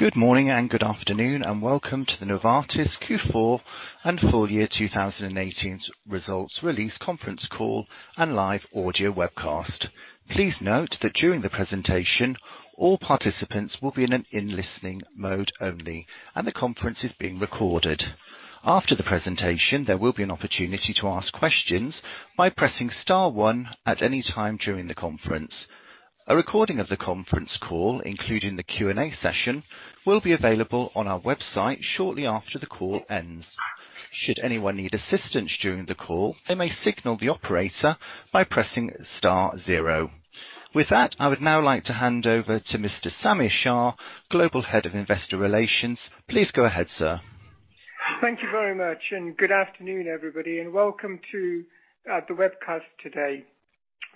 Good morning and good afternoon, welcome to the Novartis Q4 and full year 2018 results release conference call and live audio webcast. Please note that during the presentation, all participants will be in a listening mode only, and the conference is being recorded. After the presentation, there will be an opportunity to ask questions by pressing star one at any time during the conference. A recording of the conference call, including the Q&A session, will be available on our website shortly after the call ends. Should anyone need assistance during the call, they may signal the operator by pressing star zero. With that, I would now like to hand over to Mr. Samir Shah, Global Head of Investor Relations. Please go ahead, sir. Thank you very much, good afternoon, everybody, and welcome to the webcast today.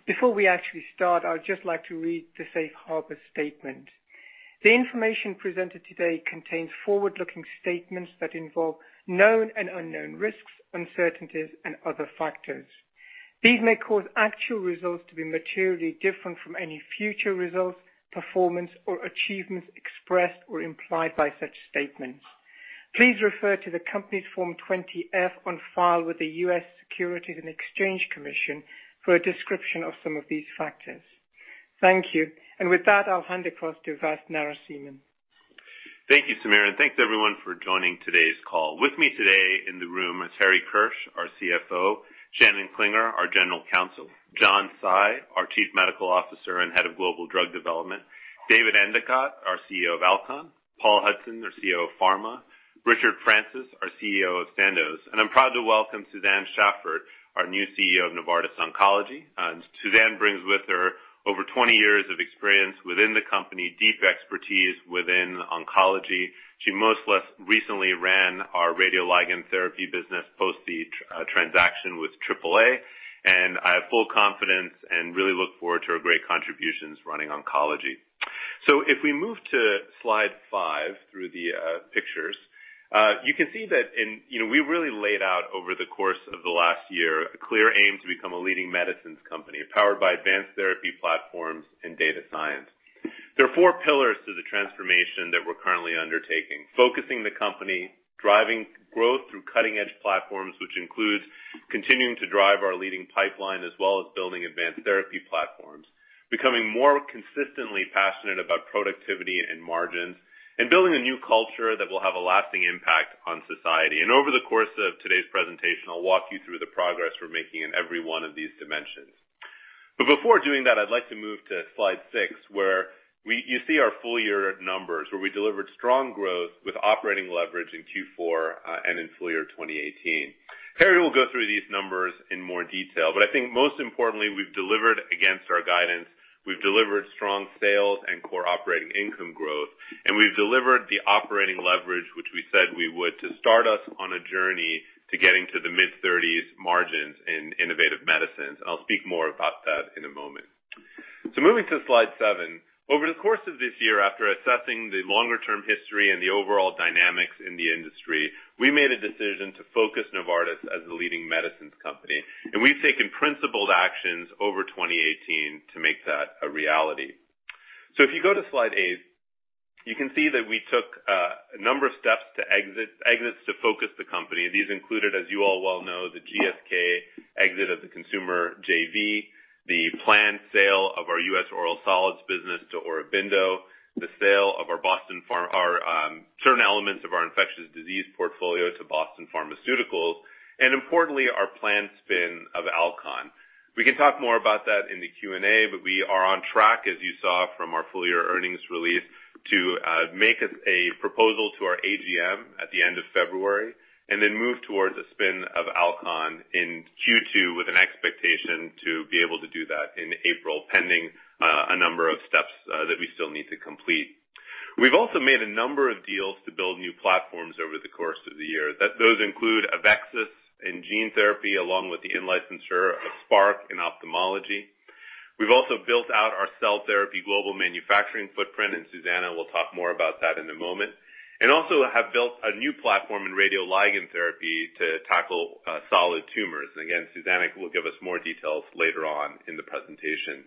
Before we actually start, I would just like to read the safe harbor statement. The information presented today contains forward-looking statements that involve known and unknown risks, uncertainties, and other factors. These may cause actual results to be materially different from any future results, performance, or achievements expressed or implied by such statements. Please refer to the company's Form 20-F on file with the U.S. Securities and Exchange Commission for a description of some of these factors. Thank you. With that, I'll hand across to Vasant Narasimhan. Thank you, Samir, thanks everyone for joining today's call. With me today in the room is Harry Kirsch, our CFO, Shannon Klinger, our General Counsel, John Tsai, our Chief Medical Officer and Head of Global Drug Development, David Endicott, our CEO of Alcon, Paul Hudson, our CEO of Pharma, Richard Francis, our CEO of Sandoz, and I'm proud to welcome Susanne Schaffert, our new CEO of Novartis Oncology. Susanne brings with her over 20 years of experience within the company, deep expertise within oncology. She most recently ran our radioligand therapy business post the transaction with AAA. I have full confidence and really look forward to her great contributions running oncology. If we move to slide five through the pictures, you can see that we really laid out over the course of the last year a clear aim to become a leading medicines company powered by advanced therapy platforms and data science. There are four pillars to the transformation that we're currently undertaking. Focusing the company, driving growth through cutting-edge platforms, which includes continuing to drive our leading pipeline, as well as building advanced therapy platforms, becoming more consistently passionate about productivity and margins, building a new culture that will have a lasting impact on society. Over the course of today's presentation, I'll walk you through the progress we're making in every one of these dimensions. Before doing that, I'd like to move to slide six, where you see our full-year numbers where we delivered strong growth with operating leverage in Q4, in full year 2018. Harry will go through these numbers in more detail, I think most importantly, we've delivered against our guidance. We've delivered strong sales and core operating income growth, we've delivered the operating leverage which we said we would to start us on a journey to getting to the mid-30s margins in innovative medicines. I'll speak more about that in a moment. Moving to slide seven. Over the course of this year, after assessing the longer-term history and the overall dynamics in the industry, we made a decision to focus Novartis as the leading medicines company, we've taken principled actions over 2018 to make that a reality. If you go to slide eight, you can see that we took a number of steps to exits to focus the company. These included, as you all well know, the GSK exit of the consumer JV, the planned sale of our U.S. oral solids business to Aurobindo, the sale of certain elements of our infectious disease portfolio to Boston Pharmaceuticals, importantly, our planned spin of Alcon. We can talk more about that in the Q&A, we are on track, as you saw from our full-year earnings release, to make a proposal to our AGM at the end of February and then move towards a spin of Alcon in Q2 with an expectation to be able to do that in April, pending a number of steps that we still need to complete. We've also made a number of deals to build new platforms over the course of the year. Those include AveXis in gene therapy, along with the in-licensure of Spark in ophthalmology. We've also built out our cell therapy global manufacturing footprint, Susanne will talk more about that in a moment, also have built a new platform in radioligand therapy to tackle solid tumors. Again, Susanne will give us more details later on in the presentation.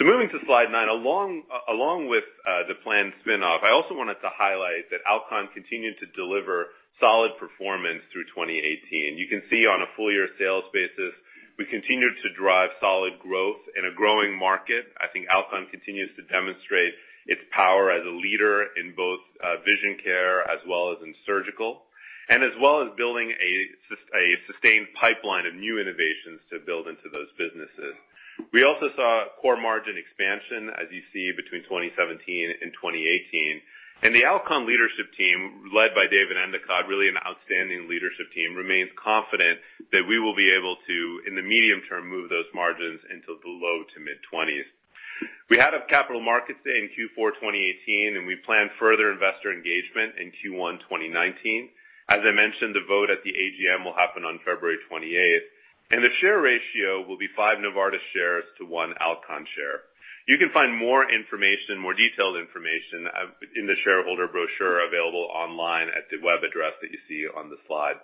Moving to slide nine. Along with the planned spin-off, I also wanted to highlight that Alcon continued to deliver solid performance through 2018. You can see on a full-year sales basis, we continued to drive solid growth in a growing market. I think Alcon continues to demonstrate its power as a leader in both vision care as well as in surgical, as well as building a sustained pipeline of new innovations to build into those businesses. We also saw core margin expansion, as you see between 2017 and 2018. The Alcon leadership team, led by David Endicott, really an outstanding leadership team, remains confident that we will be able to, in the medium term, move those margins into the low to mid-20s. We had a Capital Markets Day in Q4 2018, we plan further investor engagement in Q1 2019. As I mentioned, the vote at the AGM will happen on February 28th, the share ratio will be five Novartis shares to one Alcon share. You can find more detailed information in the shareholder brochure available online at the web address that you see on the slide.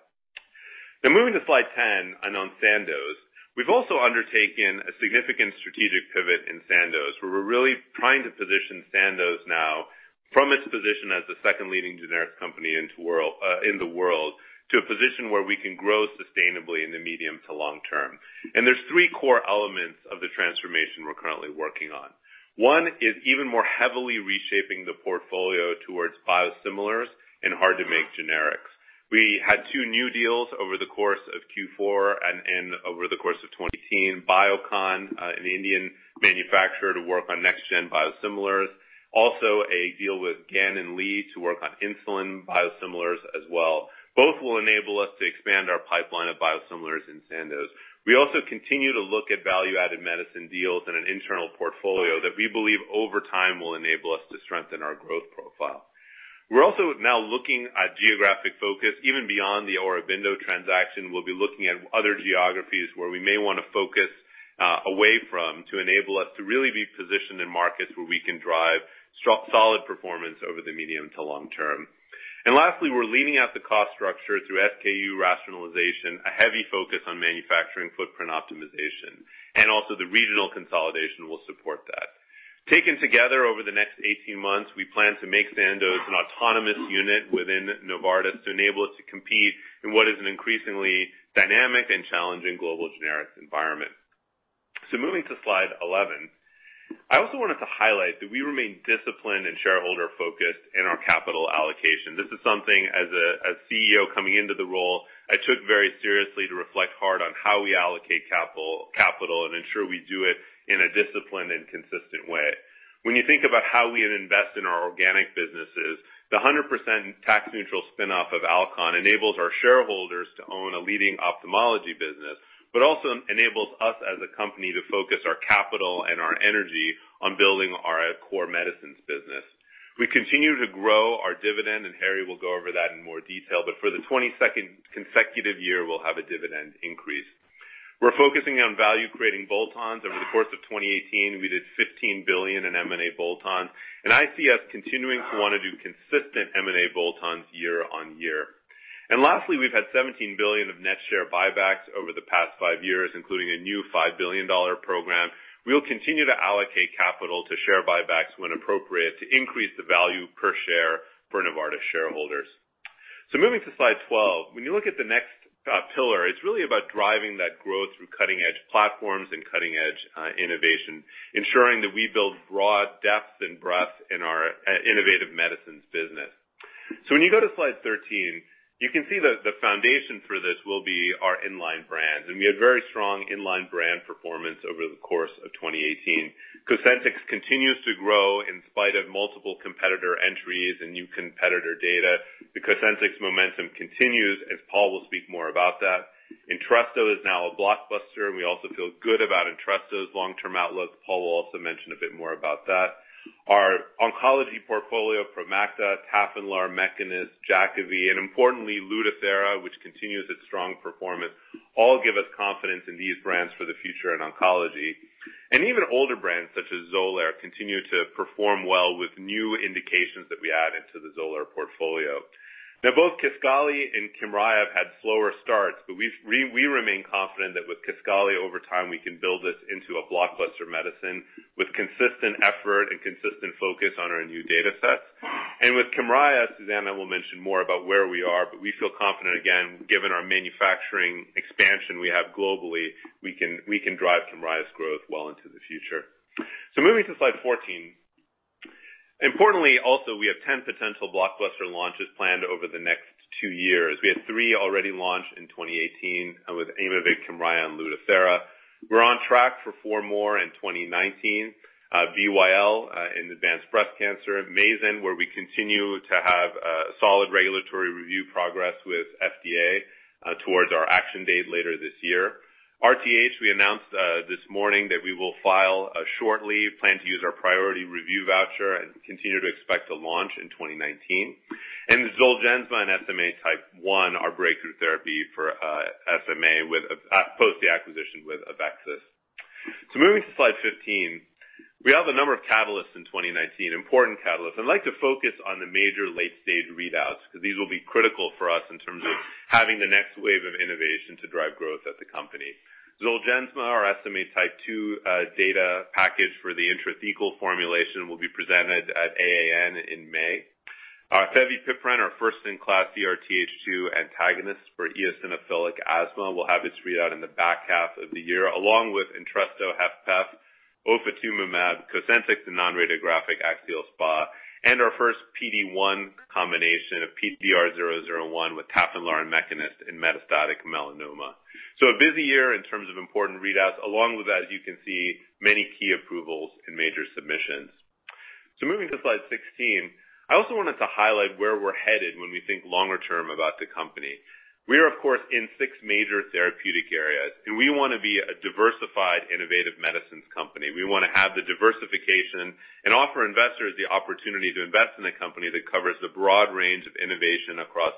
Now moving to slide 10 on Sandoz. We've also undertaken a significant strategic pivot in Sandoz, where we're really trying to position Sandoz now from its position as the second leading generic company in the world, to a position where we can grow sustainably in the medium to long term. There's three core elements of the transformation we're currently working on. One is even more heavily reshaping the portfolio towards biosimilars and hard-to-make generics. We had two new deals over the course of Q4 and over the course of 2018. Biocon, an Indian manufacturer, to work on next-gen biosimilars. Also a deal with Gan & Lee to work on insulin biosimilars as well. Both will enable us to expand our pipeline of biosimilars in Sandoz. We also continue to look at value-added medicine deals and an internal portfolio that we believe over time will enable us to strengthen our growth profile. We're also now looking at geographic focus, even beyond the Aurobindo transaction. We'll be looking at other geographies where we may want to focus away from, to enable us to really be positioned in markets where we can drive solid performance over the medium to long term. Lastly, we're leaning out the cost structure through SKU rationalization, a heavy focus on manufacturing footprint optimization. And also the regional consolidation will support that. Taken together over the next 18 months, we plan to make Sandoz an autonomous unit within Novartis to enable us to compete in what is an increasingly dynamic and challenging global generics environment. Moving to slide 11. I also wanted to highlight that we remain disciplined and shareholder-focused in our capital allocation. This is something as CEO coming into the role, I took very seriously to reflect hard on how we allocate capital and ensure we do it in a disciplined and consistent way. When you think about how we invest in our organic businesses, the 100% tax neutral spinoff of Alcon enables our shareholders to own a leading ophthalmology business, but also enables us as a company to focus our capital and our energy on building our core medicines business. We continue to grow our dividend, and Harry will go over that in more detail. But for the 22nd consecutive year, we'll have a dividend increase. We're focusing on value-creating bolt-ons. Over the course of 2018, we did 15 billion in M&A bolt-ons, and I see us continuing to want to do consistent M&A bolt-ons year on year. And lastly, we've had CHF 17 billion of net share buybacks over the past five years, including a new CHF 5 billion program. We'll continue to allocate capital to share buybacks when appropriate to increase the value per share for Novartis shareholders. Moving to slide 12. When you look at the next pillar, it's really about driving that growth through cutting-edge platforms and cutting-edge innovation, ensuring that we build broad depth and breadth in our innovative medicines business. When you go to slide 13, you can see the foundation for this will be our in-line brands, and we had very strong in-line brand performance over the course of 2018. COSENTYX continues to grow in spite of multiple competitor entries and new competitor data. The COSENTYX momentum continues, and Paul will speak more about that. ENTRESTO is now a blockbuster, and we also feel good about ENTRESTO's long-term outlook. Paul will also mention a bit more about that. Our oncology portfolio, Promacta, Tafinlar, Mekinist, Jakavi, and importantly, Lutathera, which continues its strong performance, all give us confidence in these brands for the future in oncology. Even older brands such as Xolair continue to perform well with new indications that we add into the Xolair portfolio. Both Kisqali and Kymriah have had slower starts, but we remain confident that with Kisqali, over time, we can build this into a blockbuster medicine with consistent effort and consistent focus on our new data sets. With Kymriah, Susanne will mention more about where we are, but we feel confident again, given our manufacturing expansion we have globally, we can drive Kymriah's growth well into the future. Moving to slide 14. Importantly, also, we have 10 potential blockbuster launches planned over the next two years. We had three already launched in 2018, with Aimovig, Kymriah, and Lutathera. We're on track for four more in 2019. BYL in advanced breast cancer, Mayzent, where we continue to have solid regulatory review progress with FDA towards our action date later this year. RTH, we announced this morning that we will file shortly, plan to use our priority review voucher and continue to expect to launch in 2019. Zolgensma in SMA Type 1, our breakthrough therapy for SMA post the acquisition with AveXis. Moving to slide 15, we have a number of catalysts in 2019, important catalysts. I'd like to focus on the major late-stage readouts, because these will be critical for us in terms of having the next wave of innovation to drive growth at the company. Zolgensma, our SMA Type 2 data package for the intrathecal formulation will be presented at AAN in May. fevipiprant, our first-in-class CRTH2 antagonist for eosinophilic asthma, will have its readout in the back half of the year, along with ENTRESTO HFpEF, ofatumumab, COSENTYX, the non-radiographic axial SpA, and our first PD-1 combination of PDR001 with Tafinlar and Mekinist in metastatic melanoma. A busy year in terms of important readouts. Along with that, as you can see, many key approvals and major submissions. Moving to slide 16, I also wanted to highlight where we're headed when we think longer term about the company. We are, of course, in six major therapeutic areas, and we want to be a diversified, innovative medicines company. We want to have the diversification and offer investors the opportunity to invest in a company that covers the broad range of innovation across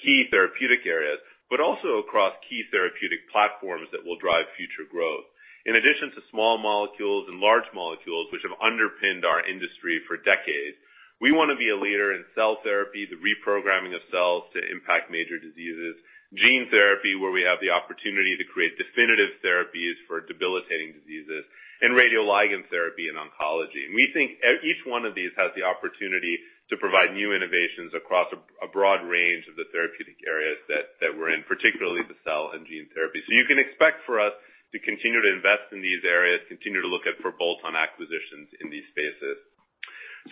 key therapeutic areas, but also across key therapeutic platforms that will drive future growth. In addition to small molecules and large molecules which have underpinned our industry for decades, we want to be a leader in cell therapy, the reprogramming of cells to impact major diseases, gene therapy, where we have the opportunity to create definitive therapies for debilitating diseases, and radioligand therapy in oncology. We think each one of these has the opportunity to provide new innovations across a broad range of the therapeutic areas that we're in, particularly the cell and gene therapy. You can expect for us to continue to invest in these areas, continue to look out for bolt-on acquisitions in these spaces.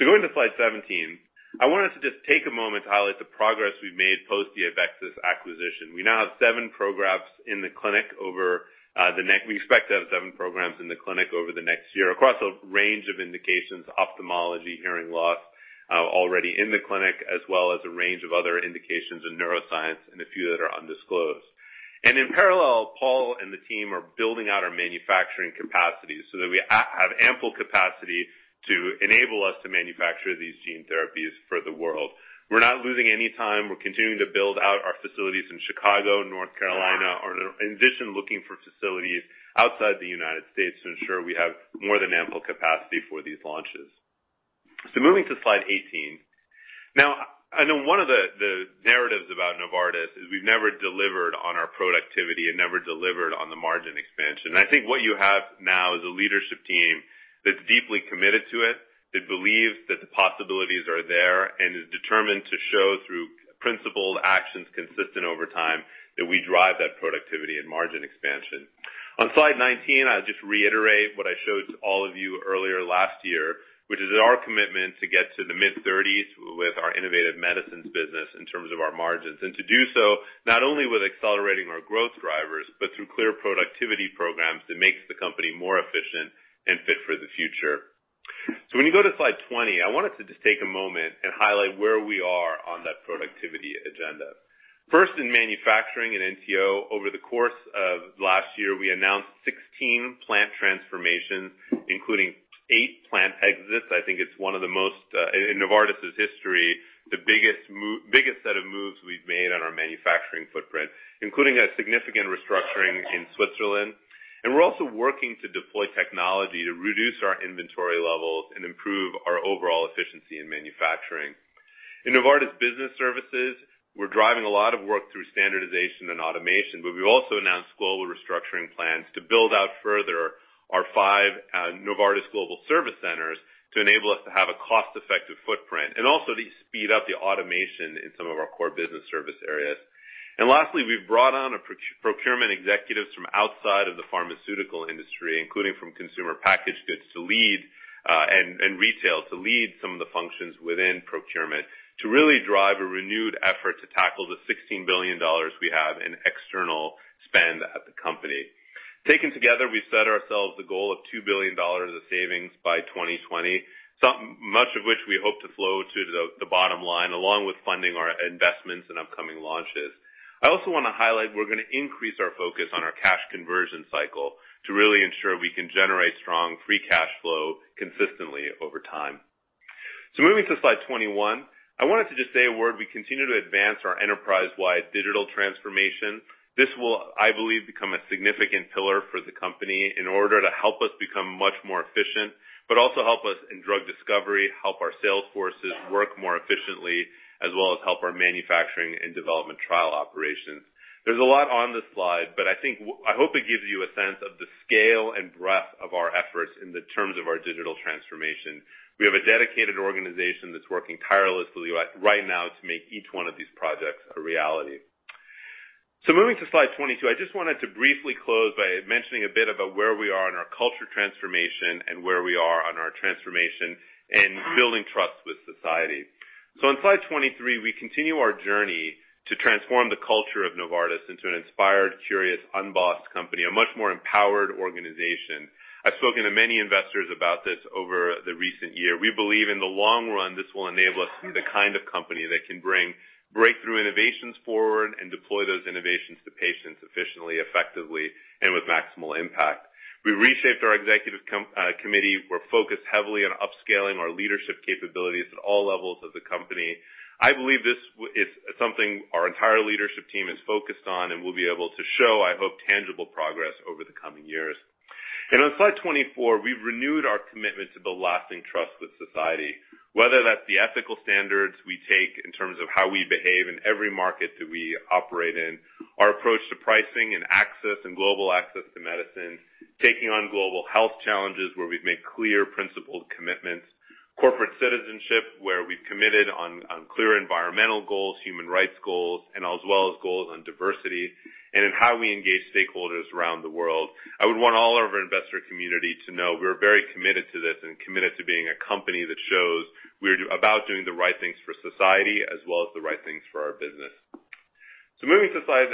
Going to slide 17, I want us to just take a moment to highlight the progress we've made post the AveXis acquisition. We expect to have seven programs in the clinic over the next year across a range of indications, ophthalmology, hearing loss, already in the clinic, as well as a range of other indications in neuroscience and a few that are undisclosed. In parallel, Paul and the team are building out our manufacturing capacity so that we have ample capacity to enable us to manufacture these gene therapies for the world. We're not losing any time. We're continuing to build out our facilities in Chicago, North Carolina, in addition, looking for facilities outside the U.S. to ensure we have more than ample capacity for these launches. Moving to slide 18. I know one of the narratives about Novartis is we've never delivered on our productivity and never delivered on the margin expansion. I think what you have now is a leadership team that's deeply committed to it, that believes that the possibilities are there, and is determined to show through principled actions consistent over time, that we drive that productivity and margin expansion. On slide 19, I'll just reiterate what I showed to all of you earlier last year, which is our commitment to get to the mid-30s with our innovative medicines business in terms of our margins, and to do so not only with accelerating our growth drivers, but through clear productivity programs that makes the company more efficient and fit for the future. When you go to slide 20, I wanted to just take a moment and highlight where we are on that productivity agenda. First in manufacturing and NTO. Over the course of last year, we announced 16 plant transformations, including eight plant exits. I think it's one of the most, in Novartis' history, the biggest set of moves we've made on our manufacturing footprint, including a significant restructuring in Switzerland. We're also working to deploy technology to reduce our inventory levels and improve our overall efficiency in manufacturing. In Novartis business services, we're driving a lot of work through standardization and automation, we also announced global restructuring plans to build out further our five Novartis global service centers to enable us to have a cost-effective footprint, and also to speed up the automation in some of our core business service areas. Lastly, we've brought on procurement executives from outside of the pharmaceutical industry, including from consumer packaged goods to lead, and retail to lead some of the functions within procurement to really drive a renewed effort to tackle the CHF 16 billion we have in external spend at the company. Taken together, we've set ourselves the goal of CHF 2 billion of savings by 2020. Much of which we hope to flow to the bottom line, along with funding our investments and upcoming launches. I also want to highlight we're going to increase our focus on our cash conversion cycle to really ensure we can generate strong free cash flow consistently over time. Moving to slide 21, I wanted to just say a word. We continue to advance our enterprise-wide digital transformation. This will, I believe, become a significant pillar for the company in order to help us become much more efficient, but also help us in drug discovery, help our sales forces work more efficiently, as well as help our manufacturing and development trial operations. There's a lot on this slide, but I hope it gives you a sense of the scale and breadth of our efforts in the terms of our digital transformation. We have a dedicated organization that's working tirelessly right now to make each one of these projects a reality. Moving to slide 22, I just wanted to briefly close by mentioning a bit about where we are in our culture transformation and where we are on our transformation in building trust with society. On slide 23, we continue our journey to transform the culture of Novartis into an inspired, curious, unbossed company, a much more empowered organization. I've spoken to many investors about this over the recent year. We believe in the long run, this will enable us to be the kind of company that can bring breakthrough innovations forward and deploy those innovations to patients efficiently, effectively, and with maximal impact. We reshaped our Executive Committee. We're focused heavily on upscaling our leadership capabilities at all levels of the company. I believe this is something our entire leadership team is focused on and will be able to show, I hope, tangible progress over the coming years. On slide 24, we've renewed our commitment to build lasting trust with society, whether that's the ethical standards we take in terms of how we behave in every market that we operate in, our approach to pricing and access and global access to medicine, taking on global health challenges where we've made clear principled commitments, corporate citizenship, where we've committed on clear environmental goals, human rights goals, and as well as goals on diversity, and in how we engage stakeholders around the world. I would want all of our investor community to know we're very committed to this and committed to being a company that shows we are about doing the right things for society as well as the right things for our business. Moving to slide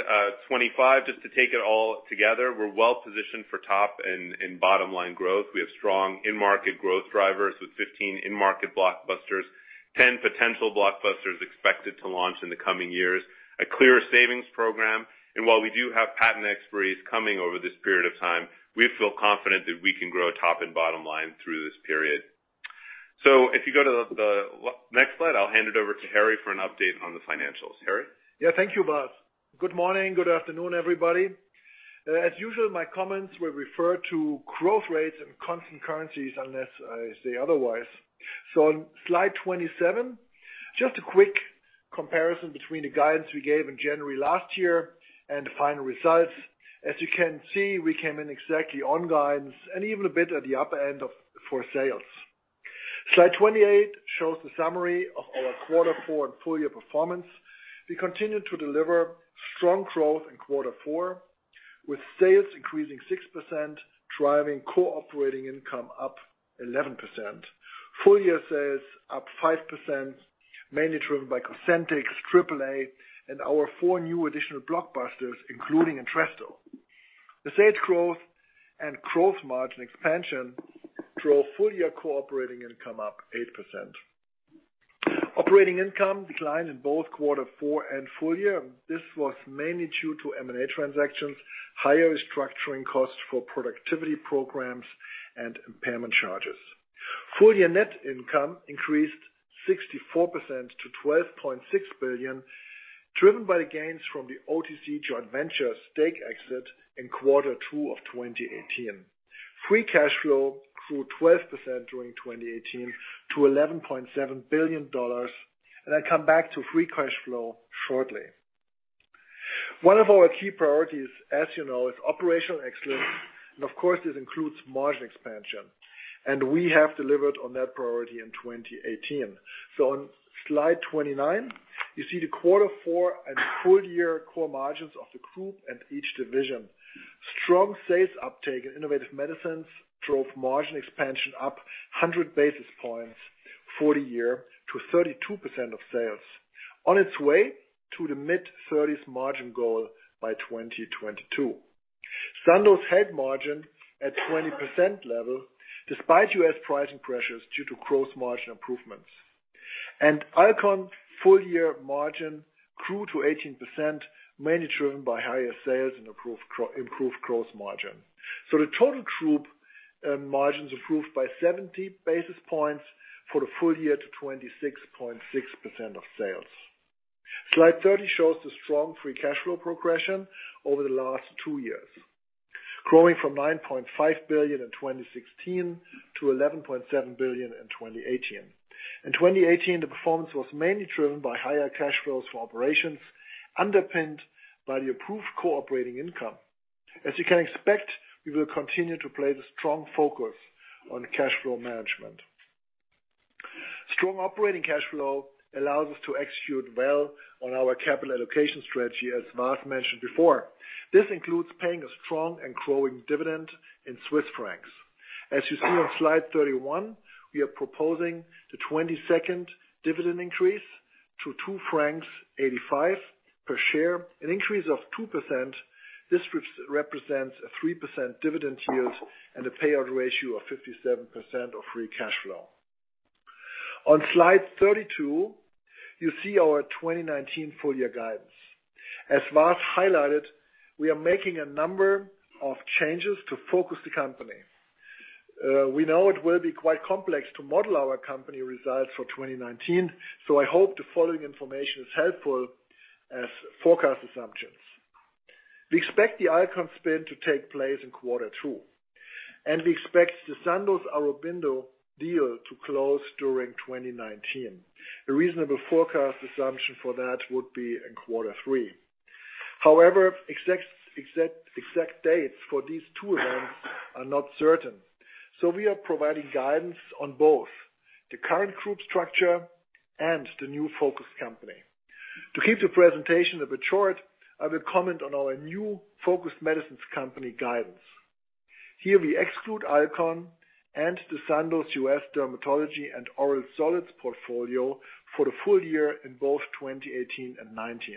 25, just to take it all together, we're well-positioned for top and bottom-line growth. We have strong in-market growth drivers with 15 in-market blockbusters, 10 potential blockbusters expected to launch in the coming years, a clear savings program, and while we do have patent expiries coming over this period of time, we feel confident that we can grow top and bottom-line through this period. If you go to the next slide, I'll hand it over to Harry for an update on the financials. Harry? Thank you, Vas. Good morning. Good afternoon, everybody. As usual, my comments will refer to growth rates and constant currencies unless I say otherwise. On slide 27, just a quick comparison between the guidance we gave in January last year and the final results. As you can see, we came in exactly on guidance and even a bit at the upper end for sales. Slide 28 shows the summary of our quarter four and full year performance. We continued to deliver strong growth in quarter four, with sales increasing 6%, driving core operating income up 11%. Full year sales up 5%, mainly driven by COSENTYX, AAA, and our four new additional blockbusters, including ENTRESTO. The sales growth and growth margin expansion drove full year core operating income up 8%. Operating income declined in both quarter four and full year. This was mainly due to M&A transactions, higher restructuring costs for productivity programs, and impairment charges. Full year net income increased 64% to 12.6 billion, driven by the gains from the OTC joint venture stake exit in quarter two of 2018. Free cash flow grew 12% during 2018 to $11.7 billion. I'll come back to free cash flow shortly. One of our key priorities, as you know, is operational excellence, and of course, this includes margin expansion, and we have delivered on that priority in 2018. On slide 29, you see the quarter four and full year core margins of the group and each division. Strong sales uptake in Innovative Medicines drove margin expansion up 100 basis points for the year to 32% of sales, on its way to the mid-30s margin goal by 2022. Sandoz had margin at 20% level despite U.S. pricing pressures due to gross margin improvements. Alcon full year margin grew to 18%, mainly driven by higher sales and improved gross margin. The total group margins improved by 70 basis points for the full year to 26.6% of sales. Slide 30 shows the strong free cash flow progression over the last two years, growing from 9.5 billion in 2016 to 11.7 billion in 2018. In 2018, the performance was mainly driven by higher cash flows for operations, underpinned by the approved core operating income. As you can expect, we will continue to play the strong focus on cash flow management. Strong operating cash flow allows us to execute well on our capital allocation strategy, as Vas mentioned before. This includes paying a strong and growing dividend in Swiss francs. As you see on slide 31, we are proposing the 22nd dividend increase to 2.85 francs per share, an increase of 2%. This represents a 3% dividend yield and a payout ratio of 57% of free cash flow. On slide 32, you see our 2019 full year guidance. As Vas highlighted, we are making a number of changes to focus the company. We know it will be quite complex to model our company results for 2019, so I hope the following information is helpful as forecast assumptions. We expect the Alcon spin to take place in quarter two, and we expect the Sandoz Aurobindo deal to close during 2019. A reasonable forecast assumption for that would be in quarter three. However, exact dates for these two events are not certain. We are providing guidance on both the current group structure and the new focused company. To keep the presentation a bit short, I will comment on our new focused medicines company guidance. Here we exclude Alcon and the Sandoz U.S. dermatology and oral solids portfolio for the full year in both 2018 and 2019.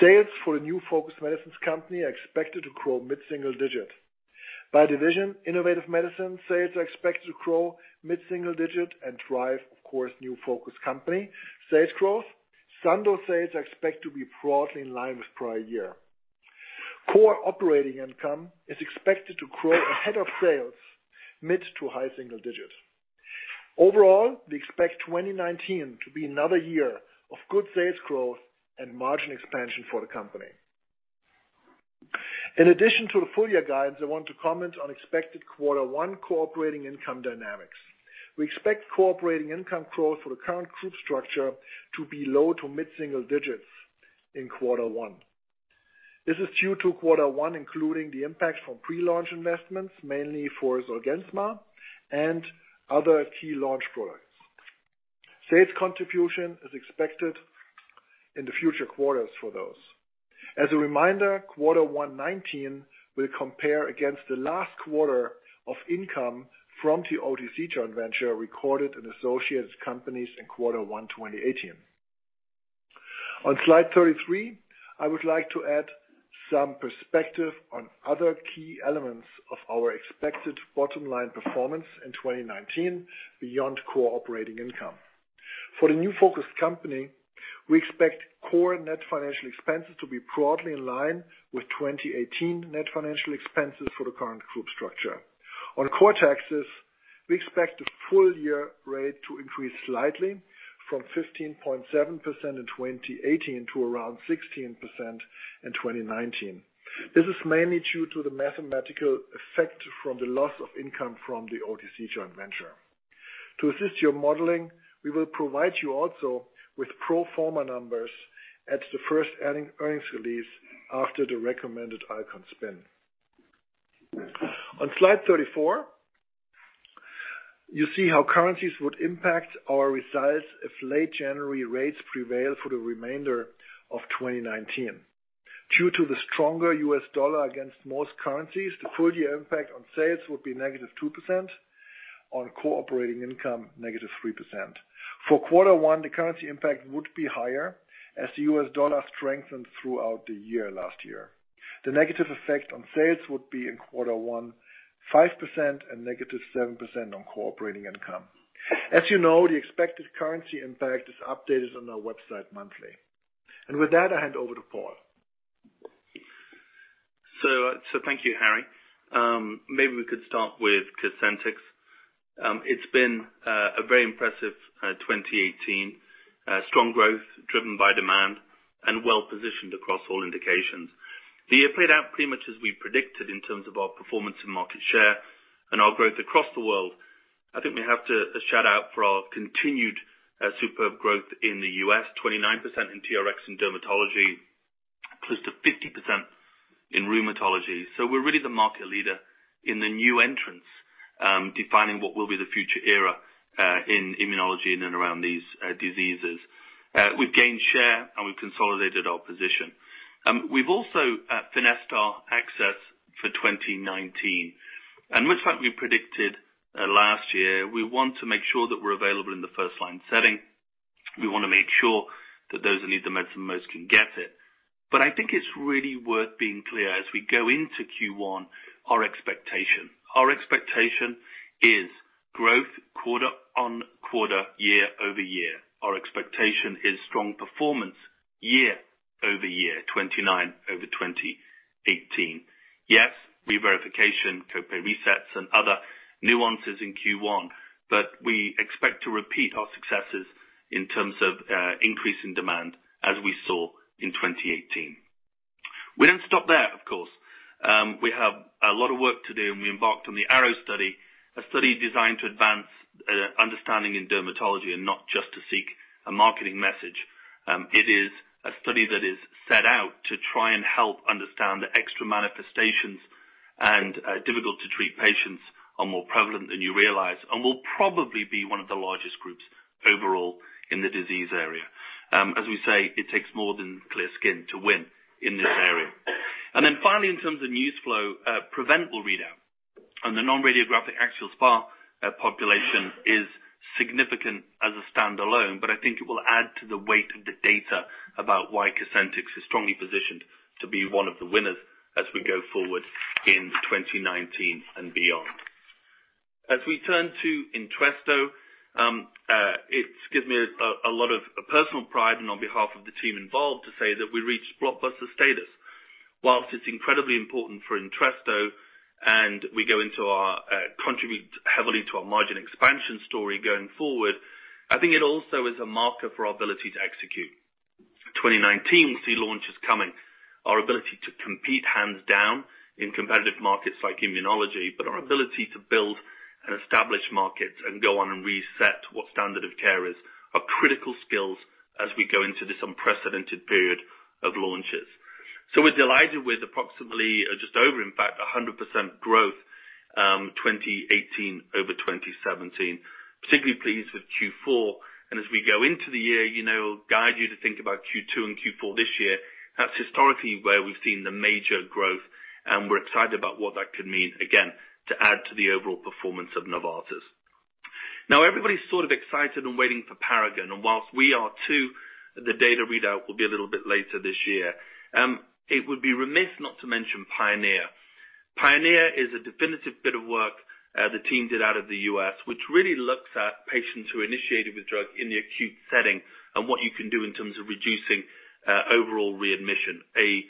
Sales for the new focused medicines company are expected to grow mid-single digit. By division, Innovative Medicine sales are expected to grow mid-single digit and drive of course, new focused company sales growth. Sandoz sales are expected to be broadly in line with prior year. Core operating income is expected to grow ahead of sales mid-to-high single digit. Overall, we expect 2019 to be another year of good sales growth and margin expansion for the company. In addition to the full year guidance, I want to comment on expected quarter one core operating income dynamics. We expect core operating income growth for the current group structure to be low-to-mid-single digits in quarter one. This is due to quarter one including the impact from pre-launch investments, mainly for Zolgensma and other key launch products. Sales contribution is expected in the future quarters for those. As a reminder, quarter one 2019 will compare against the last quarter of income from the OTC joint venture recorded in associates, companies in quarter one 2018. On slide 33, I would like to add some perspective on other key elements of our expected bottom-line performance in 2019 beyond core operating income. For the new focused company, we expect core net financial expenses to be broadly in line with 2018 net financial expenses for the current group structure. On core taxes, we expect the full-year rate to increase slightly from 15.7% in 2018 to around 16% in 2019. This is mainly due to the mathematical effect from the loss of income from the OTC joint venture. To assist your modeling, we will provide you also with pro forma numbers at the first earnings release after the recommended Alcon spin. On slide 34, you see how currencies would impact our results if late January rates prevail for the remainder of 2019. Due to the stronger U.S. dollar against most currencies, the full year impact on sales would be -2%, on core operating income, -3%. For quarter one, the currency impact would be higher, as the U.S. dollar strengthened throughout the year last year. The negative effect on sales would be in quarter one, 5% and -7% on core operating income. As you know, the expected currency impact is updated on our website monthly. With that, I hand over to Paul. Thank you, Harry. Maybe we could start with COSENTYX. It's been a very impressive 2018. Strong growth driven by demand and well-positioned across all indications. The year played out pretty much as we predicted in terms of our performance and market share and our growth across the world. I think we have to shout out for our continued superb growth in the U.S., 29% in TRX and dermatology, close to 50% in rheumatology. We're really the market leader in the new entrants, defining what will be the future era in immunology in and around these diseases. We've gained share and we've consolidated our position. We've also finessed our access for 2019, and much like we predicted last year, we want to make sure that we're available in the first line setting. We want to make sure that those that need the medicine most can get it. I think it's really worth being clear as we go into Q1, our expectation. Our expectation is growth quarter-on-quarter, year-over-year. Our expectation is strong performance year-over-year, 2019 over 2018. Yes, reverification, co-pay resets, other nuances in Q1, we expect to repeat our successes in terms of increase in demand as we saw in 2018. We don't stop there, of course. We have a lot of work to do. We embarked on the ARROW study, a study designed to advance understanding in dermatology, not just to seek a marketing message. It is a study that is set out to try and help understand the extra manifestations and difficult to treat patients are more prevalent than you realize and will probably be one of the largest groups overall in the disease area. As we say, it takes more than clear skin to win in this area. Finally, in terms of news flow, PREVENT readout on the non-radiographic axial SpA population is significant as a standalone. I think it will add to the weight of the data about why COSENTYX is strongly positioned to be one of the winners as we go forward in 2019 and beyond. As we turn to ENTRESTO, it gives me a lot of personal pride on behalf of the team involved to say that we reached blockbuster status. Whilst it's incredibly important for ENTRESTO will contribute heavily to our margin expansion story going forward, I think it also is a marker for our ability to execute. 2019 will see launches coming. Our ability to compete hands down in competitive markets like immunology. Our ability to build and establish markets and go on reset what standard of care is, are critical skills as we go into this unprecedented period of launches. We're delighted with approximately, just over in fact, 100% growth, 2018 over 2017. Particularly pleased with Q4. As we go into the year, guide you to think about Q2 and Q4 this year. That's historically where we've seen the major growth. We're excited about what that could mean, again, to add to the overall performance of Novartis. Everybody's sort of excited and waiting for PARAGON. Whilst we are too, the data readout will be a little bit later this year. It would be remiss not to mention PIONEER. PIONEER is a definitive bit of work the team did out of the U.S., which really looks at patients who are initiated with drug in the acute setting what you can do in terms of reducing overall readmission, a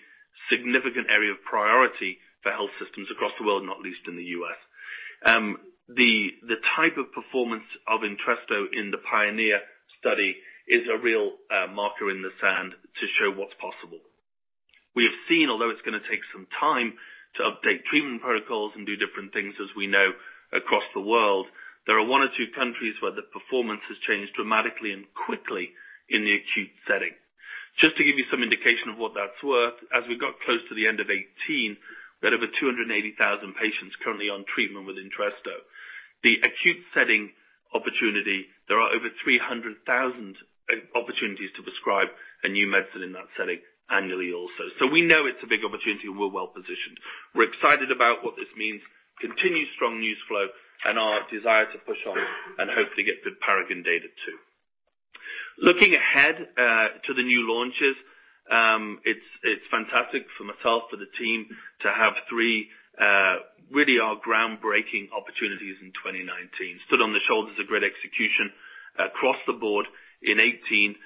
significant area of priority for health systems across the world, not least in the U.S. The type of performance of ENTRESTO in the PIONEER study is a real marker in the sand to show what's possible. We have seen, it's going to take some time to update treatment protocols do different things as we know across the world, there are one or two countries where the performance has changed dramatically and quickly in the acute setting. Just to give you some indication of what that's worth, as we got close to the end of 2018, we had over 280,000 patients currently on treatment with ENTRESTO. The acute setting opportunity, there are over 300,000 opportunities to prescribe a new medicine in that setting annually also. We know it's a big opportunity, and we're well-positioned. We're excited about what this means, continued strong news flow, and our desire to push on and hopefully get good PARAGON data too. Looking ahead to the new launches. It's fantastic for myself, for the team, to have three really groundbreaking opportunities in 2019. Stood on the shoulders of great execution across the board in 2018.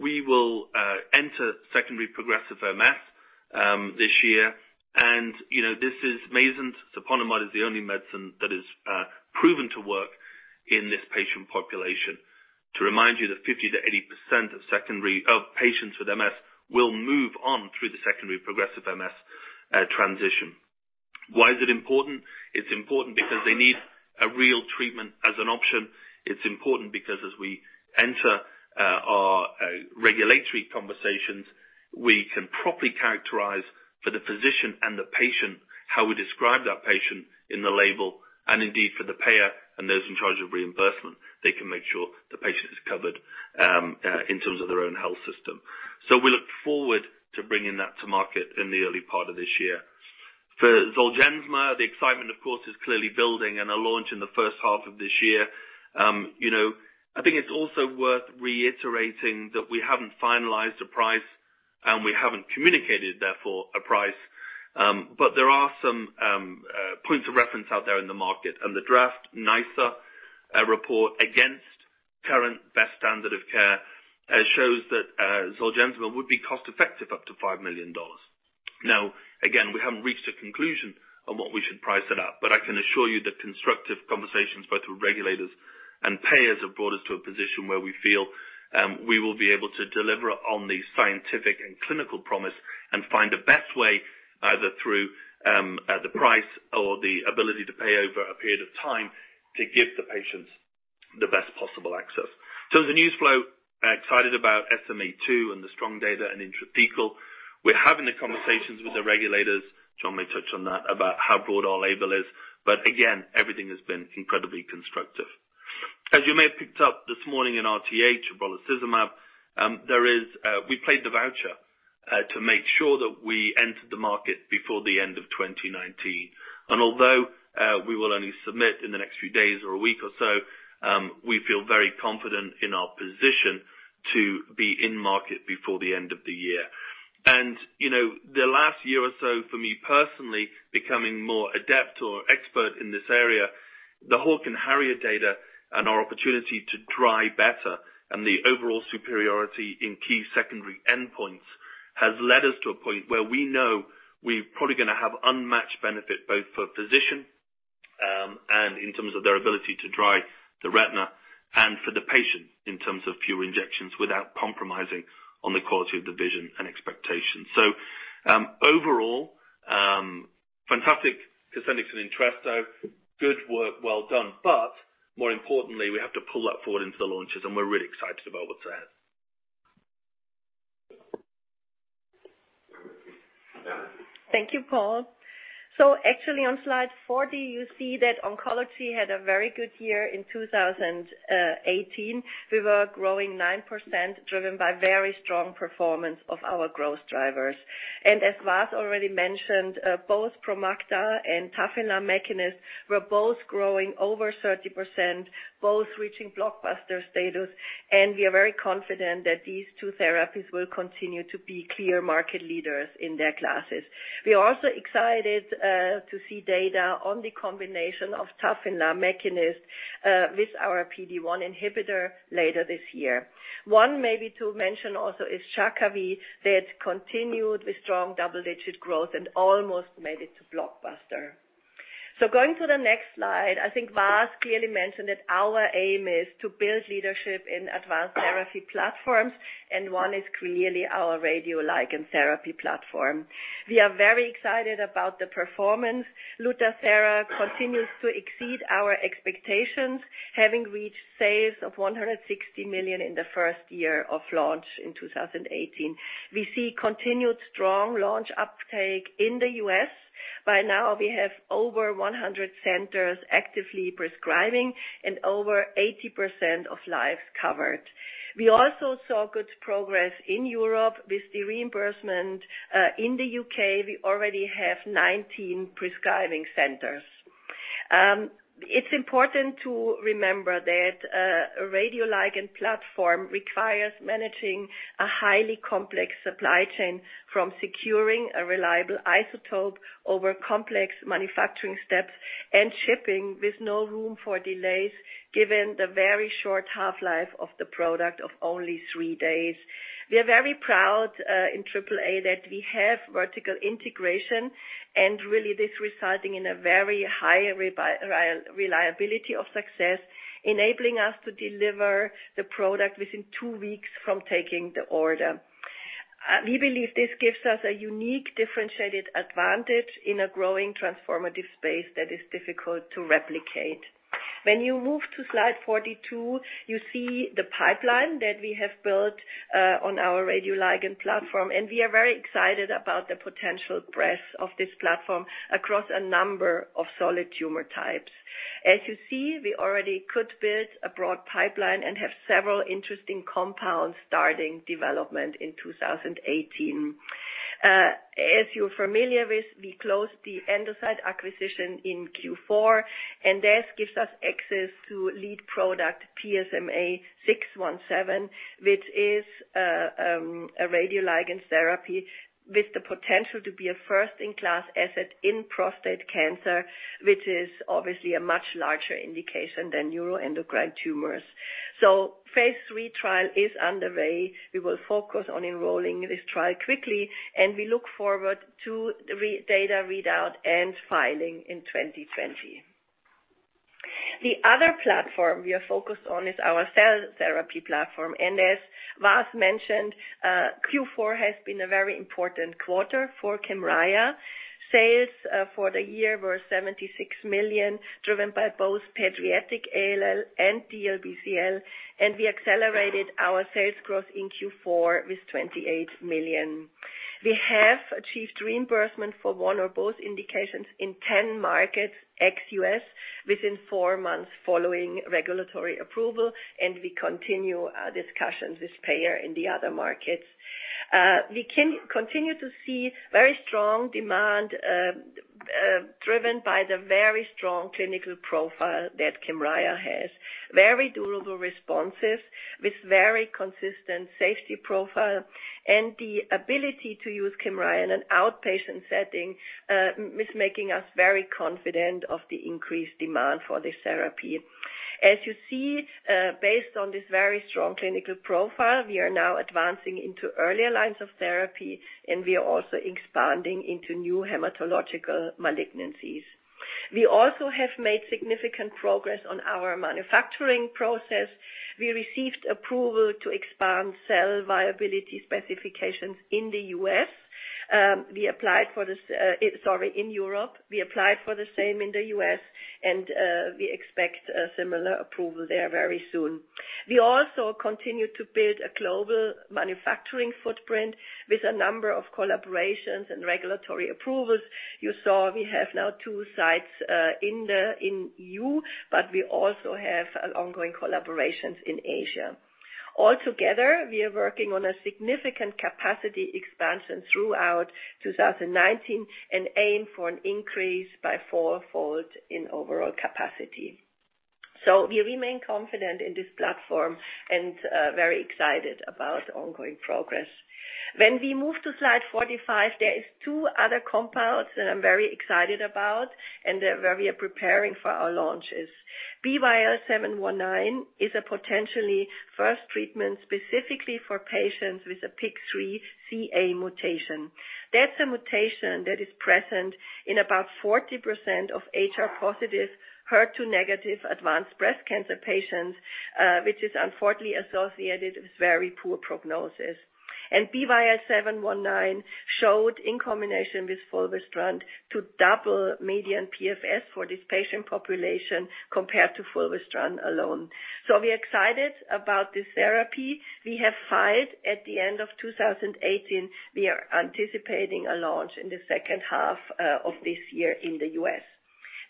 We will enter secondary progressive MS this year. Mayzent, siponimod is the only medicine that is proven to work in this patient population. To remind you that 50%-80% of patients with MS will move on through the secondary progressive MS transition. Why is it important? It's important because they need a real treatment as an option. It's important because as we enter our regulatory conversations, we can properly characterize for the physician and the patient, how we describe that patient in the label, and indeed for the payer and those in charge of reimbursement, they can make sure the patient is covered in terms of their own health system. We look forward to bringing that to market in the early part of this year. For Zolgensma, the excitement, of course, is clearly building and a launch in the first half of this year. I think it's also worth reiterating that we haven't finalized a price, and we haven't communicated, therefore, a price. There are some points of reference out there in the market, and the draft NICE report against current best standard of care shows that Zolgensma would be cost-effective up to CHF 5 million. Again, we haven't reached a conclusion on what we should price it at. I can assure you that constructive conversations, both with regulators and payers, have brought us to a position where we feel we will be able to deliver on the scientific and clinical promise and find the best way, either through the price or the ability to pay over a period of time, to give the patients the best possible access. The news flow, excited about SMA 2 and the strong data in intrathecal. We're having the conversations with the regulators, John may touch on that, about how broad our label is. Again, everything has been incredibly constructive. As you may have picked up this morning in RTH258, brolucizumab, we played the voucher to make sure that we entered the market before the end of 2019. Although we will only submit in the next few days or a week or so, we feel very confident in our position to be in market before the end of the year. The last year or so for me personally, becoming more adept or expert in this area, the HAWK and HARRIER data and our opportunity to dry better and the overall superiority in key secondary endpoints, has led us to a point where we know we're probably going to have unmatched benefit both for physician and in terms of their ability to dry the retina, and for the patient, in terms of fewer injections without compromising on the quality of the vision and expectations. Overall, fantastic COSENTYX and ENTRESTO. Good work well done. More importantly, we have to pull that forward into the launches, and we're really excited about what's ahead. Thank you, Paul. Actually on slide 40, you see that oncology had a very good year in 2018. We were growing 9%, driven by very strong performance of our growth drivers. As Vas already mentioned, both Promacta and Tafinlar Mekinist were both growing over 30%, both reaching blockbuster status, and we are very confident that these two therapies will continue to be clear market leaders in their classes. We are also excited to see data on the combination of Tafinlar Mekinist with our PD-1 inhibitor later this year. One maybe to mention also is Jakavi, that continued with strong double-digit growth and almost made it to blockbuster. Going to the next slide, I think Vas clearly mentioned it, our aim is to build leadership in advanced therapy platforms, and one is clearly our radioligand therapy platform. We are very excited about the performance. Lutathera continues to exceed our expectations, having reached sales of 160 million in the first year of launch in 2018. We see continued strong launch uptake in the U.S. By now, we have over 100 centers actively prescribing and over 80% of lives covered. We also saw good progress in Europe with the reimbursement. In the U.K., we already have 19 prescribing centers. It's important to remember that a radioligand platform requires managing a highly complex supply chain from securing a reliable isotope over complex manufacturing steps and shipping with no room for delays, given the very short half-life of the product of only three days. We are very proud in AAA that we have vertical integration and really this resulting in a very high reliability of success, enabling us to deliver the product within two weeks from taking the order. We believe this gives us a unique differentiated advantage in a growing transformative space that is difficult to replicate. When you move to slide 42, you see the pipeline that we have built on our radioligand platform, and we are very excited about the potential breadth of this platform across a number of solid tumor types. As you see, we already could build a broad pipeline and have several interesting compounds starting development in 2018. As you're familiar with, we closed the Endocyte acquisition in Q4, and this gives us access to lead product PSMA-617, which is a radioligand therapy with the potential to be a first-in-class asset in prostate cancer, which is obviously a much larger indication than neuroendocrine tumors. Phase III trial is underway. We will focus on enrolling this trial quickly, and we look forward to data readout and filing in 2020. The other platform we are focused on is our cell therapy platform. As Vas mentioned, Q4 has been a very important quarter for Kymriah. Sales for the year were 76 million, driven by both pediatric ALL and DLBCL, and we accelerated our sales growth in Q4 with 28 million. We have achieved reimbursement for one or both indications in 10 markets ex-U.S. within four months following regulatory approval, and we continue our discussions with payer in the other markets. We continue to see very strong demand, driven by the very strong clinical profile that Kymriah has. Very durable responses with very consistent safety profile, and the ability to use Kymriah in an outpatient setting is making us very confident of the increased demand for this therapy. You see, based on this very strong clinical profile, we are now advancing into earlier lines of therapy, and we are also expanding into new hematological malignancies. We also have made significant progress on our manufacturing process. We received approval to expand cell viability specifications in Europe. We applied for the same in the U.S., and we expect a similar approval there very soon. We also continue to build a global manufacturing footprint with a number of collaborations and regulatory approvals. You saw we have now two sites in E.U., but we also have ongoing collaborations in Asia. All together, we are working on a significant capacity expansion throughout 2019 and aim for an increase by four-fold in overall capacity. We remain confident in this platform and very excited about ongoing progress. When we move to slide 45, there are two other compounds that I'm very excited about, and where we are preparing for our launches. BYL719 is a potentially first treatment specifically for patients with a PIK3CA mutation. That's a mutation that is present in about 40% of HR-positive/HER2-negative advanced breast cancer patients, which is unfortunately associated with very poor prognosis. BYL719 showed, in combination with fulvestrant, to double median PFS for this patient population compared to fulvestrant alone. We are excited about this therapy. We have filed at the end of 2018. We are anticipating a launch in the second half of this year in the U.S.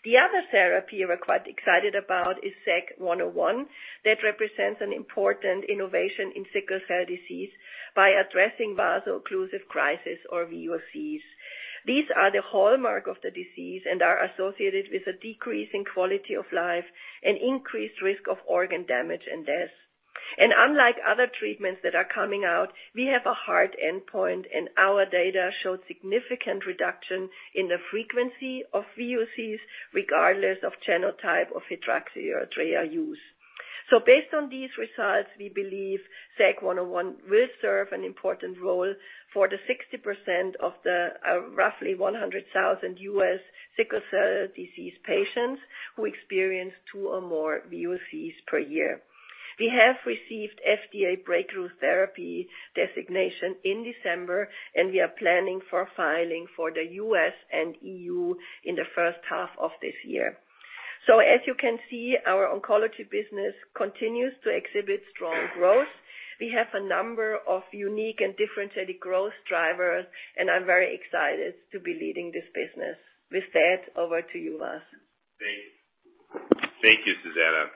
The other therapy we're quite excited about is SEG101. That represents an important innovation in sickle cell disease by addressing vaso-occlusive crises or VOCs. These are the hallmark of the disease and are associated with a decrease in quality of life and increased risk of organ damage and death. Unlike other treatments that are coming out, we have a hard endpoint, and our data showed significant reduction in the frequency of VOCs, regardless of genotype or hydroxyurea use. Based on these results, we believe SEG101 will serve an important role for the 60% of the roughly 100,000 U.S. sickle cell disease patients who experience two or more VOCs per year. We have received FDA breakthrough therapy designation in December, and we are planning for filing for the U.S. and E.U. in the first half of this year. As you can see, our oncology business continues to exhibit strong growth. We have a number of unique and differentiated growth drivers, and I'm very excited to be leading this business. With that, over to you, Vas. Thank you, Susanne.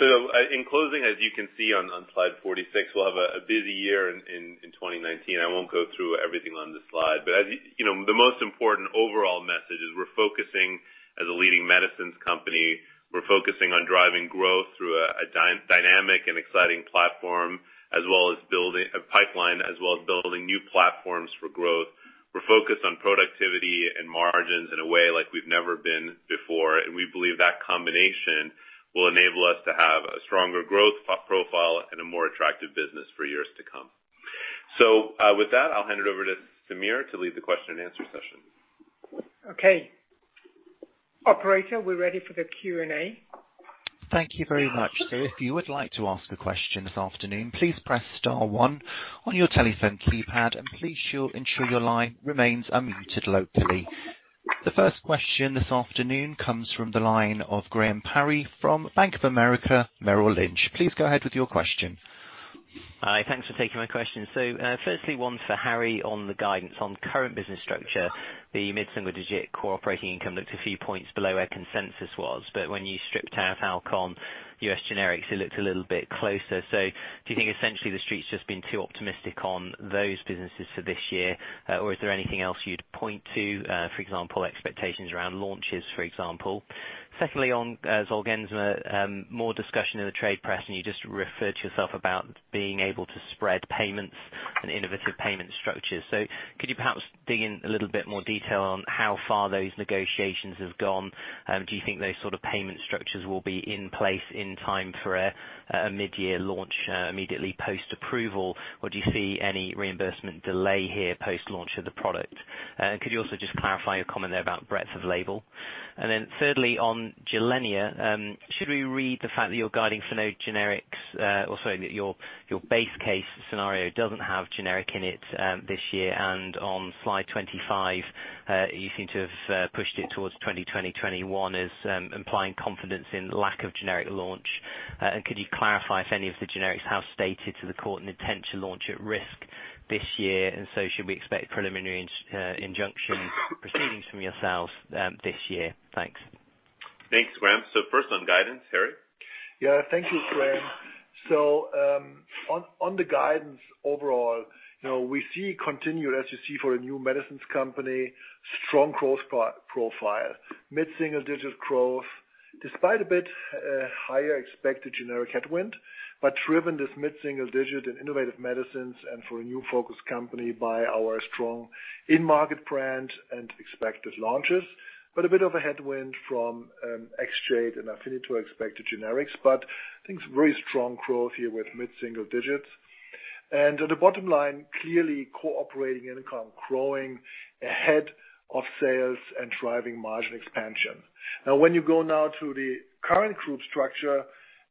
In closing, as you can see on slide 46, we'll have a busy year in 2019. I won't go through everything on the slide, but the most important overall message is we're focusing as a leading medicines company. We're focusing on driving growth through a dynamic and exciting platform, as well as building a pipeline, as well as building new platforms for growth. We're focused on productivity and margins in a way like we've never been before, and we believe that combination will enable us to have a stronger growth profile and a more attractive business for years to come. With that, I'll hand it over to Samir to lead the question and answer session. Okay. Operator, we're ready for the Q&A. Thank you very much. If you would like to ask a question this afternoon, please press star one on your telephone keypad, and please ensure your line remains unmuted locally. The first question this afternoon comes from the line of Graham Parry from Bank of America Merrill Lynch. Please go ahead with your question. Hi. Thanks for taking my question. Firstly, one for Harry on the guidance. On current business structure, the mid-single digit core operating income looked a few points below where consensus was. When you stripped out Alcon, U.S. generics, it looked a little bit closer. Do you think essentially the Street's just been too optimistic on those businesses for this year? Or is there anything else you'd point to, for example, expectations around launches, for example? Secondly, on Zolgensma, more discussion in the trade press, and you just referred to yourself about being able to spread payments and innovative payment structures. Could you perhaps dig in a little bit more detail on how far those negotiations have gone? Do you think those sort of payment structures will be in place in time for a midyear launch immediately post-approval, or do you see any reimbursement delay here post-launch of the product? Could you also just clarify your comment there about breadth of label? Thirdly, on Gilenya, should we read the fact that you're guiding for no generics, or sorry, that your base case scenario doesn't have generic in it this year, and on slide 25, you seem to have pushed it towards 2020, 2021 as implying confidence in lack of generic launch. Could you clarify if any of the generics have stated to the court an intent to launch at risk this year, and so should we expect preliminary injunction proceedings from yourselves this year? Thanks. Thanks, Graham. First on guidance, Harry? Thank you, Graham. On the guidance overall, we see continued, as you see for a new medicines company, strong growth profile, mid-single-digit growth despite a bit higher expected generic headwind, but driven this mid-single digit in innovative medicines and for a new focus company by our strong in-market brand and expected launches, but a bit of a headwind from Exjade and Afinitor to expected generics. I think some very strong growth here with mid-single digits. At the bottom line, clearly cooperating in growing ahead of sales and driving margin expansion. Now, when you go now to the current group structure,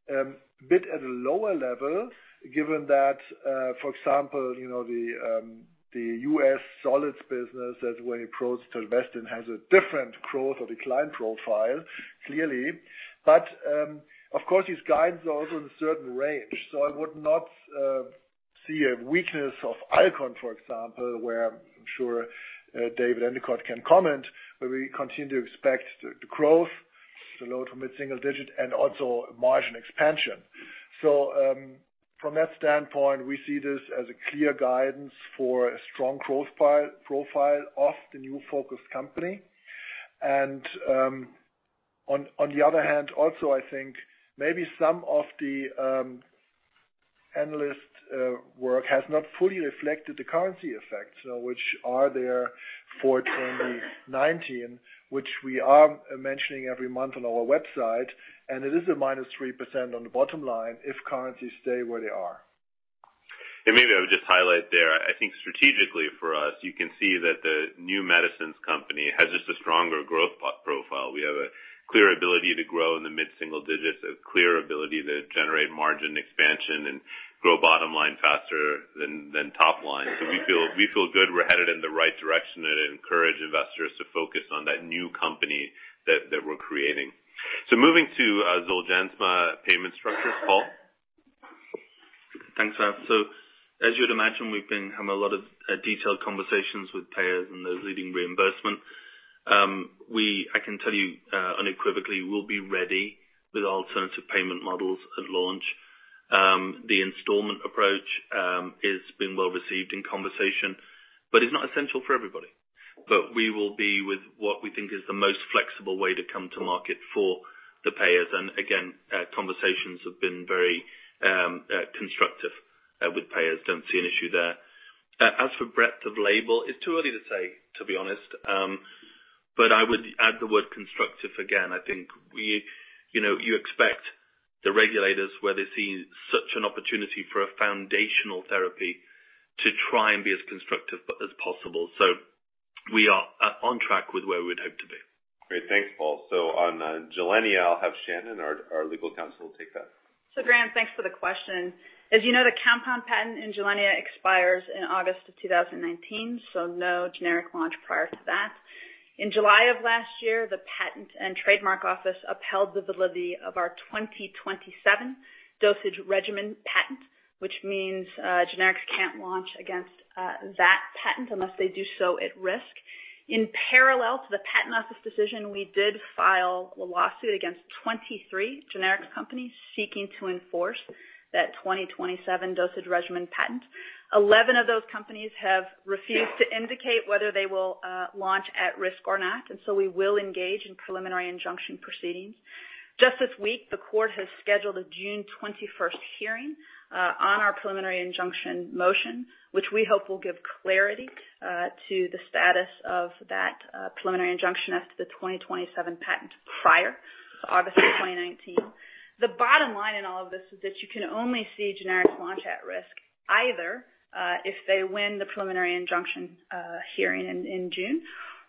a bit at a lower level, given that, for example, the U.S. solids business as we approach divestment has a different growth or decline profile, clearly. Of course, these guides are also in a certain range, so I would not see a weakness of Alcon, for example, where I'm sure David Endicott can comment, where we continue to expect the growth, the low-to-mid-single-digit, and also margin expansion. From that standpoint, we see this as a clear guidance for a strong growth profile of the new focus company. On the other hand, also, I think maybe some of the analyst work has not fully reflected the currency effects, which are there for 2019, which we are mentioning every month on our website, and it is a minus 3% on the bottom line if currencies stay where they are. Maybe I would just highlight there, I think strategically for us, you can see that the new medicines company has just a stronger growth profile. We have a clear ability to grow in the mid-single digits, a clear ability to generate margin expansion, and grow bottom line faster than top line. We feel good we're headed in the right direction and encourage investors to focus on that new company that we're creating. Moving to Zolgensma payment structures, Paul? Thanks. As you'd imagine, we've been having a lot of detailed conversations with payers and those leading reimbursement. I can tell you unequivocally we'll be ready with alternative payment models at launch. The installment approach has been well-received in conversation, but is not essential for everybody. We will be with what we think is the most flexible way to come to market for the payers. Again, conversations have been very constructive with payers. Don't see an issue there. As for breadth of label, it's too early to say, to be honest. I would add the word constructive again. I think you expect the regulators, where they see such an opportunity for a foundational therapy, to try and be as constructive as possible. We are on track with where we'd hope to be. Great. Thanks, Paul. On Gilenya, I'll have Shannon, our legal counsel, take that. Graham, thanks for the question. As you know, the compound patent in Gilenya expires in August of 2019, so no generic launch prior to that. In July of last year, the Patent and Trademark Office upheld the validity of our 2027 dosage regimen patent, which means generics can't launch against that patent unless they do so at risk. In parallel to the Patent Office decision, we did file a lawsuit against 23 generic companies seeking to enforce that 2027 dosage regimen patent. 11 of those companies have refused to indicate whether they will launch at risk or not, we will engage in preliminary injunction proceedings. Just this week, the court has scheduled a June 21st hearing on our preliminary injunction motion, which we hope will give clarity to the status of that preliminary injunction as to the 2027 patent prior to August of 2019. The bottom line in all of this is that you can only see generics launch at risk, either if they win the preliminary injunction hearing in June,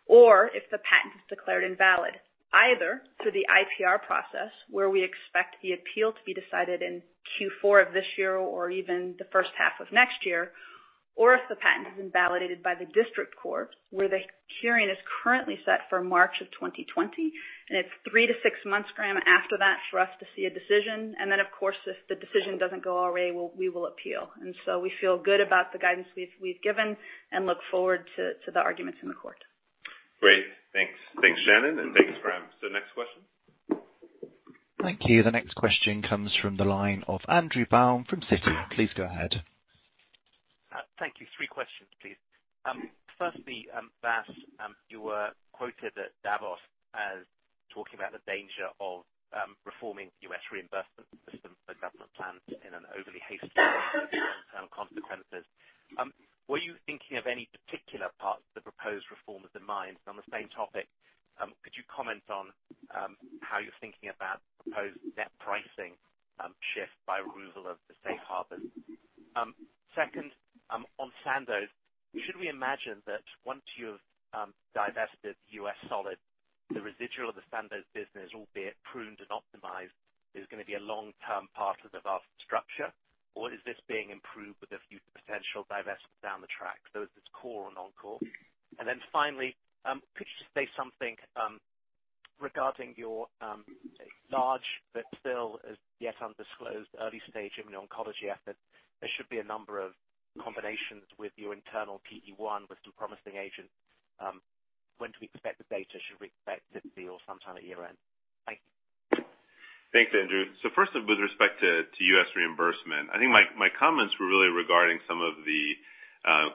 or if the patent is declared invalid, either through the IPR process, where we expect the appeal to be decided in Q4 of this year or even the first half of next year, or if the patent is invalidated by the district court, where the hearing is currently set for March of 2020, and it's three to six months, Graham, after that for us to see a decision. Then, of course, if the decision doesn't go our way, we will appeal. So we feel good about the guidance we've given and look forward to the arguments in the court. Great. Thanks. Thanks, Shannon, and thanks, Graham. Next question? Thank you. The next question comes from the line of Andrew Baum from Citi. Please go ahead. Thank you. Three questions, please. Firstly, Vas, you were quoted at Davos as talking about the danger of reforming the U.S. reimbursement system if the government plans in an overly hasty long-term consequences. Were you thinking of any particular parts of the proposed reforms in mind? On the same topic, could you comment on how you're thinking about the proposed net pricing shift by removal of the safe harbor? Second, on Sandoz, should we imagine that once you've divested the U.S. solid, the residual of the Sandoz business, albeit pruned and optimized, is going to be a long-term part of the Vas' structure? Or is this being improved with a few potential divestments down the track? Is this core or non-core? Then finally, could you just say something regarding your large but still as yet undisclosed early-stage immuno-oncology effort? There should be a number of combinations with your internal PD-1 with some promising agents. When do we expect the data? Should we expect it to be or sometime at year-end? Thank you. Thanks, Andrew. Firstly, with respect to U.S. reimbursement, I think my comments were really regarding some of the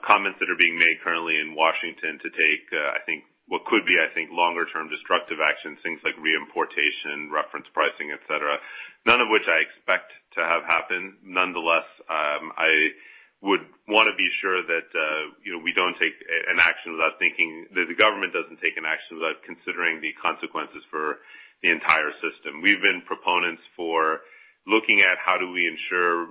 comments that are being made currently in Washington to take, I think, what could be longer term destructive actions, things like reimportation, reference pricing, et cetera. None of which I expect to have happen. Nonetheless, I would want to be sure that the government doesn't take an action without considering the consequences for the entire system. We've been proponents for looking at how do we ensure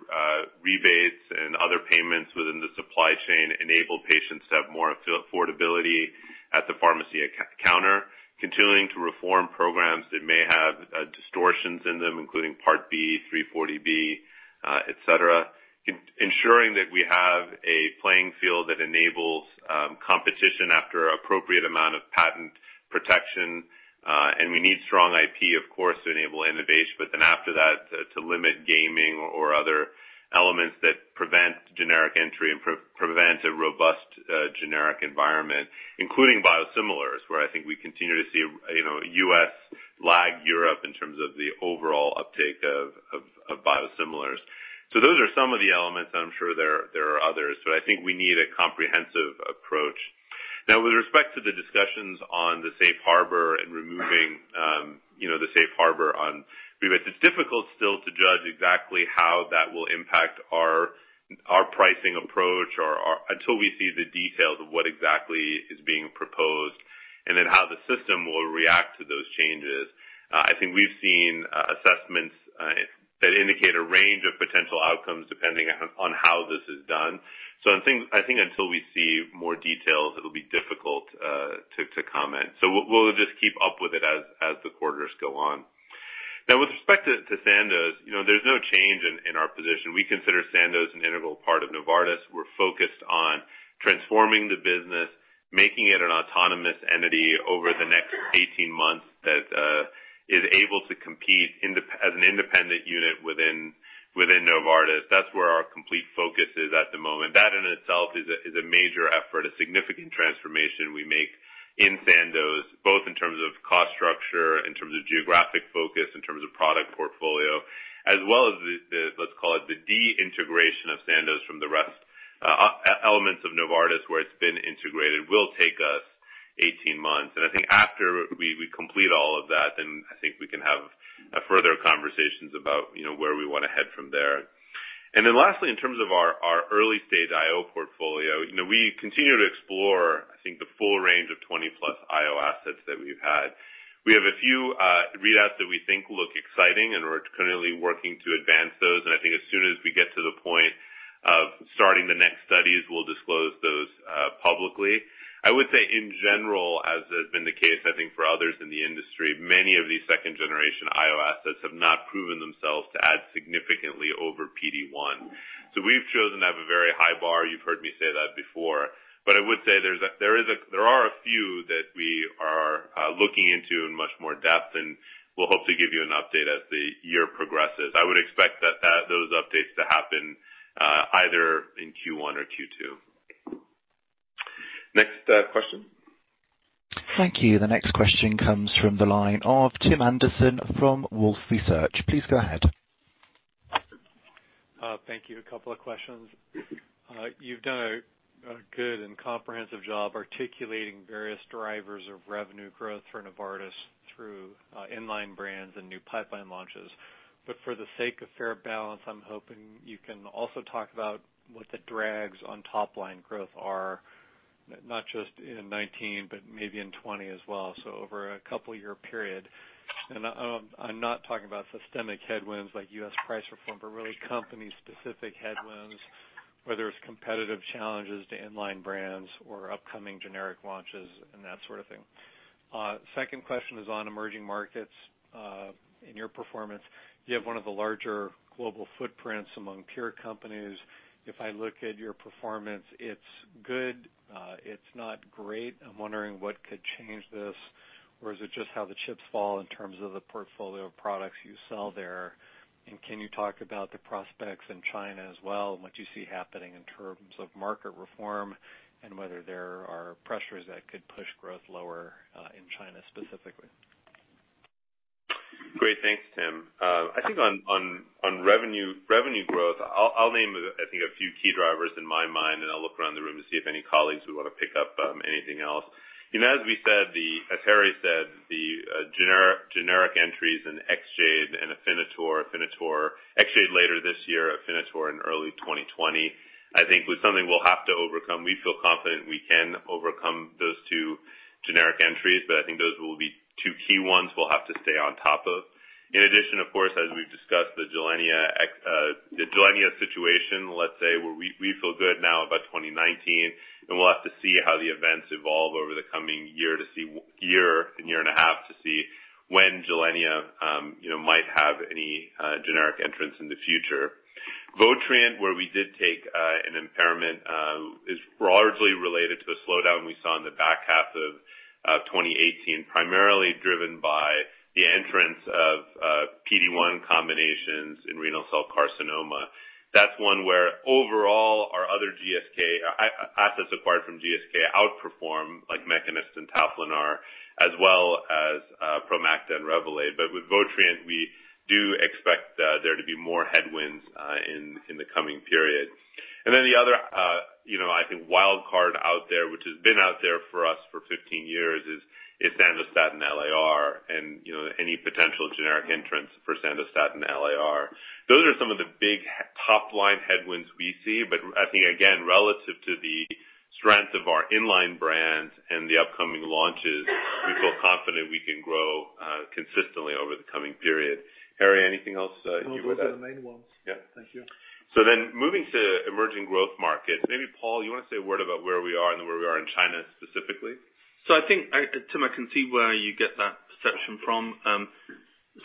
rebates and other payments within the supply chain enable patients to have more affordability at the pharmacy counter, continuing to reform programs that may have distortions in them, including Part B, 340B, et cetera. Ensuring that we have a playing field that enables competition after appropriate amount of patent protection. We need strong IP, of course, to enable innovation, but then after that, to limit gaming or other elements that prevent generic entry and prevent a robust generic environment, including biosimilars, where I think we continue to see U.S. lag Europe in terms of the overall uptake of biosimilars. Those are some of the elements, and I'm sure there are others, but I think we need a comprehensive approach. With respect to the discussions on the safe harbor and removing the safe harbor on rebates, it's difficult still to judge exactly how that will impact our pricing approach until we see the details of what exactly is being proposed, and then how the system will react to those changes. I think we've seen assessments that indicate a range of potential outcomes depending on how this is done. I think until we see more details, it'll be difficult to comment. We'll just keep up with it as the quarters go on. With respect to Sandoz, there's no change in our position. We consider Sandoz an integral part of Novartis. We're focused on transforming the business, making it an autonomous entity over the next 18 months that is able to compete as an independent unit within Novartis. That's where our complete focus is at the moment. That in itself is a major effort, a significant transformation we make in Sandoz, both in terms of cost structure, in terms of geographic focus, in terms of product portfolio. As well as the, let's call it, the de-integration of Sandoz from the rest elements of Novartis where it's been integrated will take us 18 months. I think after we complete all of that, I think we can have further conversations about where we want to head from there. Lastly, in terms of our early-stage IO portfolio, we continue to explore, I think, the full range of 20-plus IO assets that we've had. We have a few readouts that we think look exciting, and we're currently working to advance those, and I think as soon as we get to the point of starting the next studies, we'll disclose those publicly. I would say in general, as has been the case I think for others in the industry, many of these second-generation IO assets have not proven themselves to add significantly over PD-1. We've chosen to have a very high bar. You've heard me say that before. I would say there are a few that we are looking into in much more depth, and we'll hope to give you an update as the year progresses. I would expect those updates to happen either in Q1 or Q2. Next question. Thank you. The next question comes from the line of Tim Anderson from Wolfe Research. Please go ahead. Thank you. A couple of questions. You've done a good and comprehensive job articulating various drivers of revenue growth for Novartis through inline brands and new pipeline launches. For the sake of fair balance, I'm hoping you can also talk about what the drags on top-line growth are, not just in '19, but maybe in '20 as well. Over a couple-year period. I'm not talking about systemic headwinds like U.S. price reform, but really company-specific headwinds, whether it's competitive challenges to inline brands or upcoming generic launches and that sort of thing. Second question is on emerging markets. In your performance, you have one of the larger global footprints among peer companies. If I look at your performance, it's good. It's not great. I'm wondering what could change this, or is it just how the chips fall in terms of the portfolio of products you sell there? Can you talk about the prospects in China as well, and what you see happening in terms of market reform and whether there are pressures that could push growth lower in China specifically? Great. Thanks, Tim. I think on revenue growth, I'll name, I think, a few key drivers in my mind, and I'll look around the room to see if any colleagues would want to pick up anything else. As Harry said, the generic entries in Exjade and Afinitor, Exjade later this year, Afinitor in early 2020, I think was something we'll have to overcome. We feel confident we can overcome those two generic entries, but I think those will be two key ones we'll have to stay on top of. In addition, of course, as we've discussed, the Gilenya situation, let's say, where we feel good now about 2019, and we'll have to see how the events evolve over the coming year and year and a half to see when Gilenya might have any generic entrants in the future. Votrient, where we did take an impairment, is largely related to the slowdown we saw in the back half of 2018, primarily driven by the entrance of PD-1 combinations in renal cell carcinoma. That's one where overall our other assets acquired from GSK outperform, like Mekinist and Tafinlar, as well as Promacta and Revolade. With Votrient, we do expect there to be more headwinds in the coming period. Then the other, I think, wild card out there, which has been out there for us for 15 years, is Sandostatin LAR and any potential generic entrants for Sandostatin LAR. Those are some of the big top-line headwinds we see, but I think, again, relative to the strength of our in-line brands and the upcoming launches, we feel confident we can grow consistently over the coming period. Harry, anything else you would- Those are the main ones. Yeah. Thank you. Moving to emerging growth markets. Maybe Paul, you want to say a word about where we are and where we are in China specifically? I think, Tim, I can see where you get that perception from.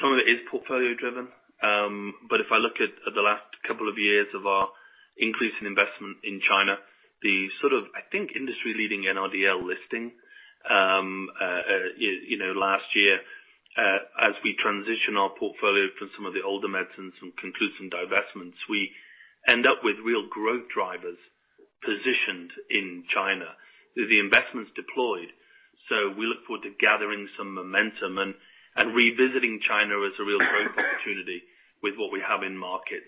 Some of it is portfolio-driven. If I look at the last couple of years of our increasing investment in China, the sort of, I think, industry-leading NRDL listing last year. As we transition our portfolio from some of the older medicines and conclude some divestments, we end up with real growth drivers positioned in China. The investment's deployed. We look forward to gathering some momentum and revisiting China as a real growth opportunity with what we have in market.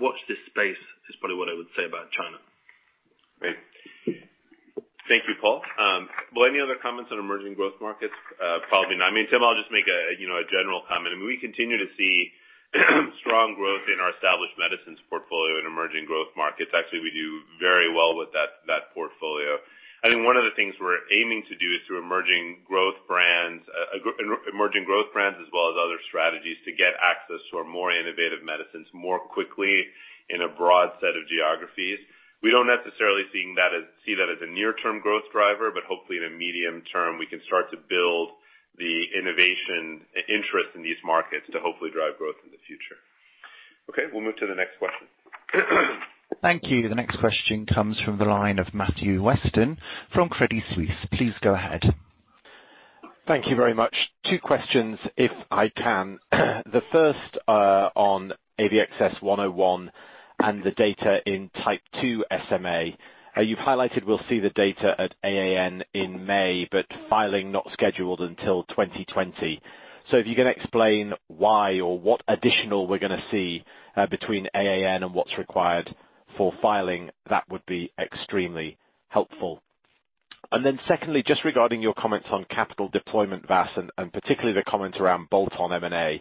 Watch this space is probably what I would say about China. Great. Thank you, Paul. Well, any other comments on emerging growth markets? Paul, I mean, Tim, I'll just make a general comment. We continue to see strong growth in our established medicines portfolio in emerging growth markets. Actually, we do very well with that portfolio. I think one of the things we're aiming to do is through emerging growth brands, as well as other strategies, to get access to our more innovative medicines more quickly in a broad set of geographies. We don't necessarily see that as a near-term growth driver, but hopefully in a medium term, we can start to build the innovation interest in these markets to hopefully drive growth in the future. Okay. We'll move to the next question. Thank you. The next question comes from the line of Matthew Weston from Credit Suisse. Please go ahead. Thank you very much. Two questions, if I can. The first on AVXS-101 and the data in Type 2 SMA. You've highlighted we'll see the data at AAN in May, but filing not scheduled until 2020. If you can explain why or what additional we're going to see between AAN and what's required for filing, that would be extremely helpful. Secondly, just regarding your comments on capital deployment, Vas, and particularly the comments around bolt-on M&A.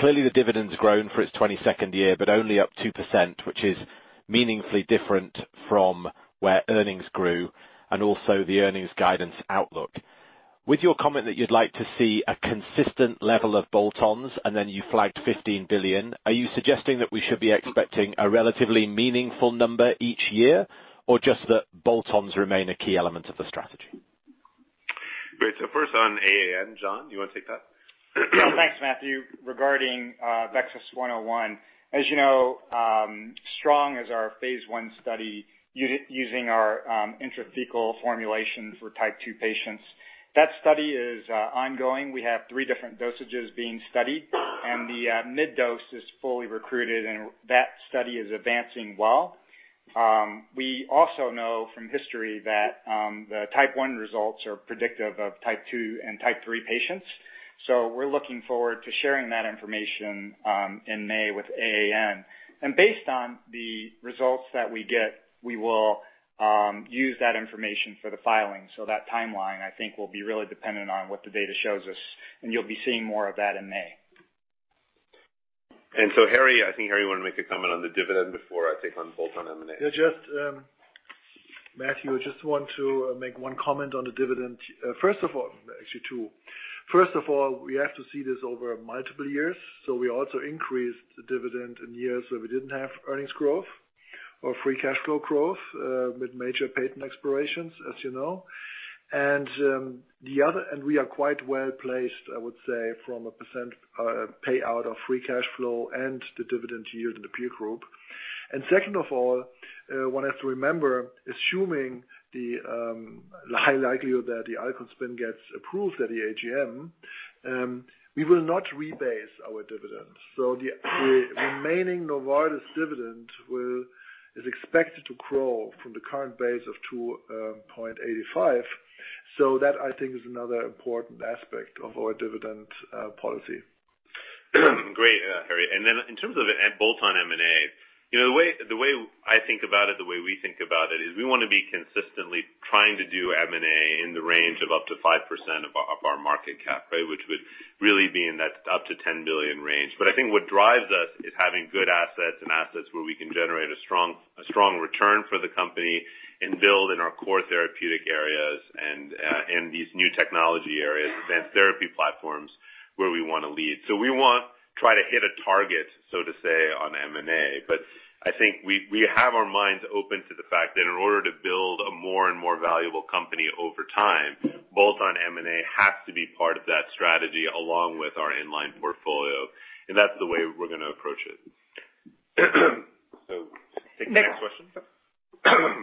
Clearly the dividend's grown for its 22nd year, but only up 2%, which is meaningfully different from where earnings grew and also the earnings guidance outlook. With your comment that you'd like to see a consistent level of bolt-ons and then you flagged 15 billion, are you suggesting that we should be expecting a relatively meaningful number each year, or just that bolt-ons remain a key element of the strategy? Great. First on AAN, John, you want to take that? Thanks, Matthew. Regarding AVXS-101, as you know, STRONG is our phase I study using our intrathecal formulation for Type 2 patients. That study is ongoing. We have three different dosages being studied, the mid dose is fully recruited, and that study is advancing well. We also know from history that the Type 1 results are predictive of Type 2 and Type 3 patients. We're looking forward to sharing that information in May with AAN. Based on the results that we get, we will use that information for the filing. That timeline, I think, will be really dependent on what the data shows us, and you'll be seeing more of that in May. Harry, you want to make a comment on the dividend before on bolt-on M&A. Matthew, I just want to make one comment on the dividend. First of all, actually two. First of all, we have to see this over multiple years. We also increased the dividend in years where we didn't have earnings growth or free cash flow growth with major patent expirations, as you know. We are quite well-placed, I would say, from a percent payout of free cash flow and the dividend yield in the peer group. Second of all, one has to remember, assuming the high likelihood that the Alcon spin gets approved at the AGM, we will not rebase our dividend. The remaining Novartis dividend is expected to grow from the current base of 2.85 That is another important aspect of our dividend policy. Great, Harry. In terms of bolt-on M&A, the way I think about it, the way we think about it is we want to be consistently trying to do M&A in the range of up to 5% of our market cap, which would really be in that up to 10 billion range. What drives us is having good assets and assets where we can generate a strong return for the company and build in our core therapeutic areas and these new technology areas, advanced therapy platforms where we want to lead. We want try to hit a target, so to say, on M&A. I think we have our minds open to the fact that in order to build a more and more valuable company over time, both on M&A has to be part of that strategy along with our in-line portfolio, and that's the way we're going to approach it. Take the next question. Next.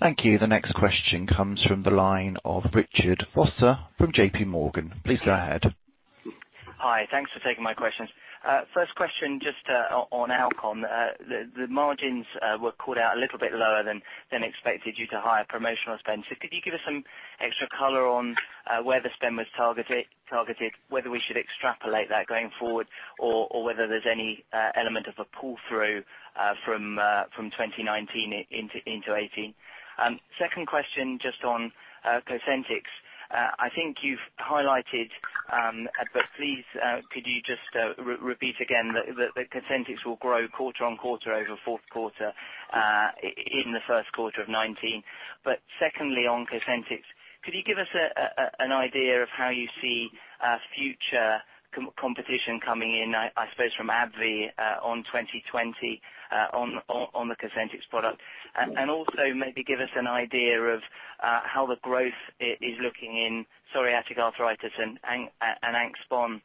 Thank you. The next question comes from the line of Richard Vosser from JPMorgan. Please go ahead. Hi. Thanks for taking my questions. First question just on Alcon. The margins were called out a little bit lower than expected due to higher promotional spend. Could you give us some extra color on where the spend was targeted, whether we should extrapolate that going forward or whether there's any element of a pull-through from 2019 into 2018? Second question just on COSENTYX. I think you've highlighted, but please could you just repeat again that COSENTYX will grow quarter-on-quarter over fourth quarter in the first quarter of 2019. Secondly, on COSENTYX, could you give us an idea of how you see future competition coming in, I suppose, from AbbVie on 2020 on the COSENTYX product. Also maybe give us an idea of how the growth is looking in psoriatic arthritis and axSpA,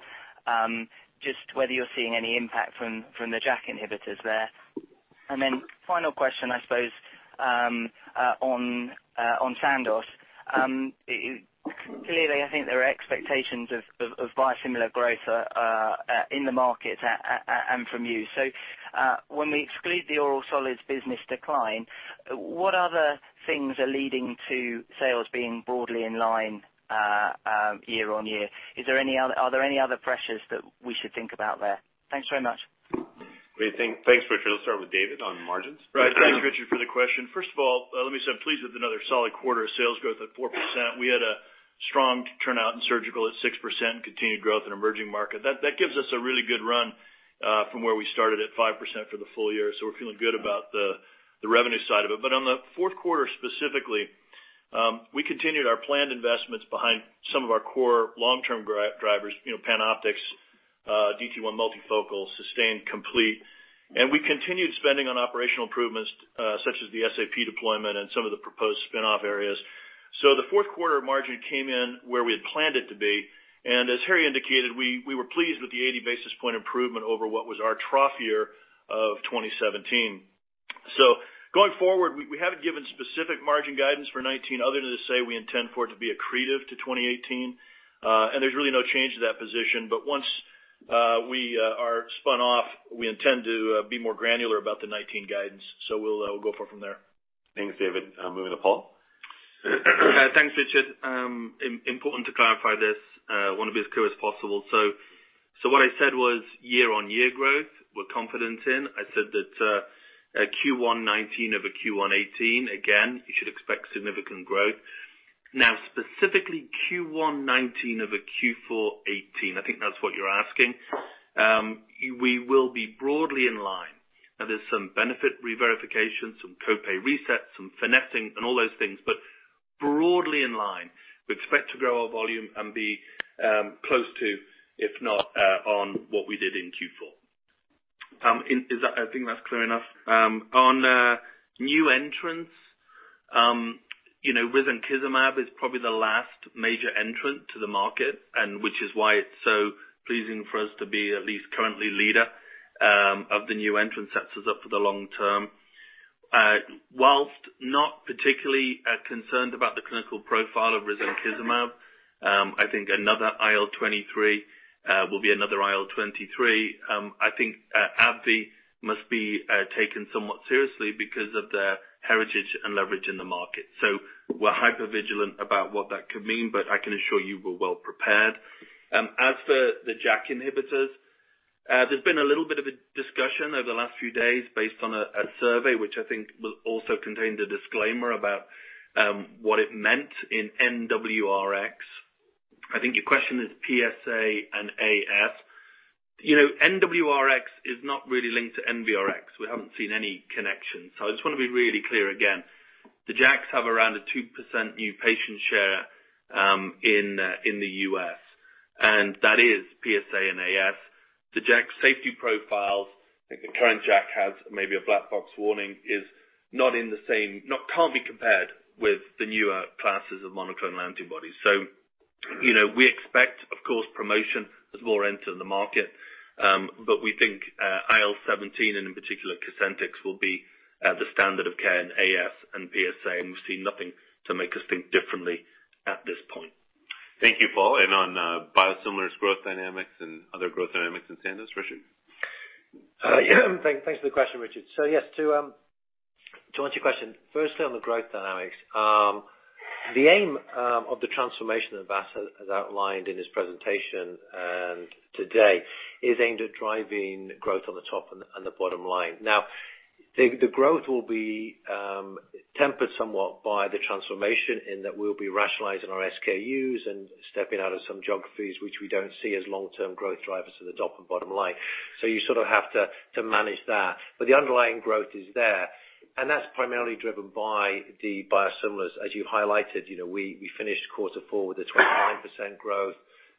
just whether you're seeing any impact from the JAK inhibitors there. Final question, I suppose on Sandoz. Clearly, I think there are expectations of biosimilar growth in the market and from you. When we exclude the oral solids business decline, what other things are leading to sales being broadly in line year-on-year? Are there any other pressures that we should think about there? Thanks very much. Great. Thanks, Richard. Let's start with David on margins. Thanks, Richard, for the question. First of all, let me say I'm pleased with another solid quarter of sales growth at 4%. We had a strong turnout in surgical at 6%, continued growth in emerging market. That gives us a really good run from where we started at 5% for the full year. We're feeling good about the revenue side of it. On the fourth quarter specifically, we continued our planned investments behind some of our core long-term drivers, PanOptix DT1 Multifocal Systane Complete. We continued spending on operational improvements such as the SAP deployment and some of the proposed spin-off areas. The fourth quarter margin came in where we had planned it to be. As Harry indicated, we were pleased with the 80 basis point improvement over what was our trough year of 2017. Going forward, we haven't given specific margin guidance for 2019 other than to say we intend for it to be accretive to 2018. There's really no change to that position. Once we are spun off, we intend to be more granular about the 2019 guidance. We'll go forward from there. Thanks, David. Moving to Paul. Thanks, Richard. Important to clarify this. I want to be as clear as possible. What I said was year-over-year growth, we're confident in. I said that Q1 2019 over Q1 2018, again, you should expect significant growth. Specifically Q1 2019 over Q4 2018, I think that's what you're asking. We will be broadly in line. There's some benefit reverification, some co-pay resets, some finessing and all those things, but broadly in line. We expect to grow our volume and be close to, if not on what we did in Q4. I think that's clear enough. On new entrants, risankizumab is probably the last major entrant to the market, which is why it's so pleasing for us to be at least currently leader of the new entrant sets us up for the long term. Whilst not particularly concerned about the clinical profile of risankizumab, I think another IL-23 will be another IL-23. I think AbbVie must be taken somewhat seriously because of their heritage and leverage in the market. We're hypervigilant about what that could mean, but I can assure you we're well prepared. As for the JAK inhibitors, there's been a little bit of a discussion over the last few days based on a survey, which I think will also contain the disclaimer about what it meant in NWRX. I think your question is PSA and AS. NWRX is not really linked to MBRX. We haven't seen any connection. I just want to be really clear again. The JAKs have around a 2% new patient share in the U.S., and that is PSA and AS. The JAK safety profiles, I think the current JAK has maybe a black box warning, can't be compared with the newer classes of monoclonal antibodies. We expect, of course, promotion as more enter the market, but we think IL-17, and in particular COSENTYX, will be the standard of care in AS and PSA, and we've seen nothing to make us think differently at this point. Thank you, Paul. On biosimilars growth dynamics and other growth dynamics in Sandoz, Richard? Thanks for the question, Richard. Yes, to answer your question, firstly on the growth dynamics. The aim of the transformation that Vas has outlined in his presentation today is aimed at driving growth on the top and the bottom line. The growth will be tempered somewhat by the transformation in that we'll be rationalizing our SKUs and stepping out of some geographies which we don't see as long-term growth drivers to the top and bottom line. You sort of have to manage that. The underlying growth is there, and that's primarily driven by the biosimilars. As you highlighted, we finished quarter four with a 29% growth.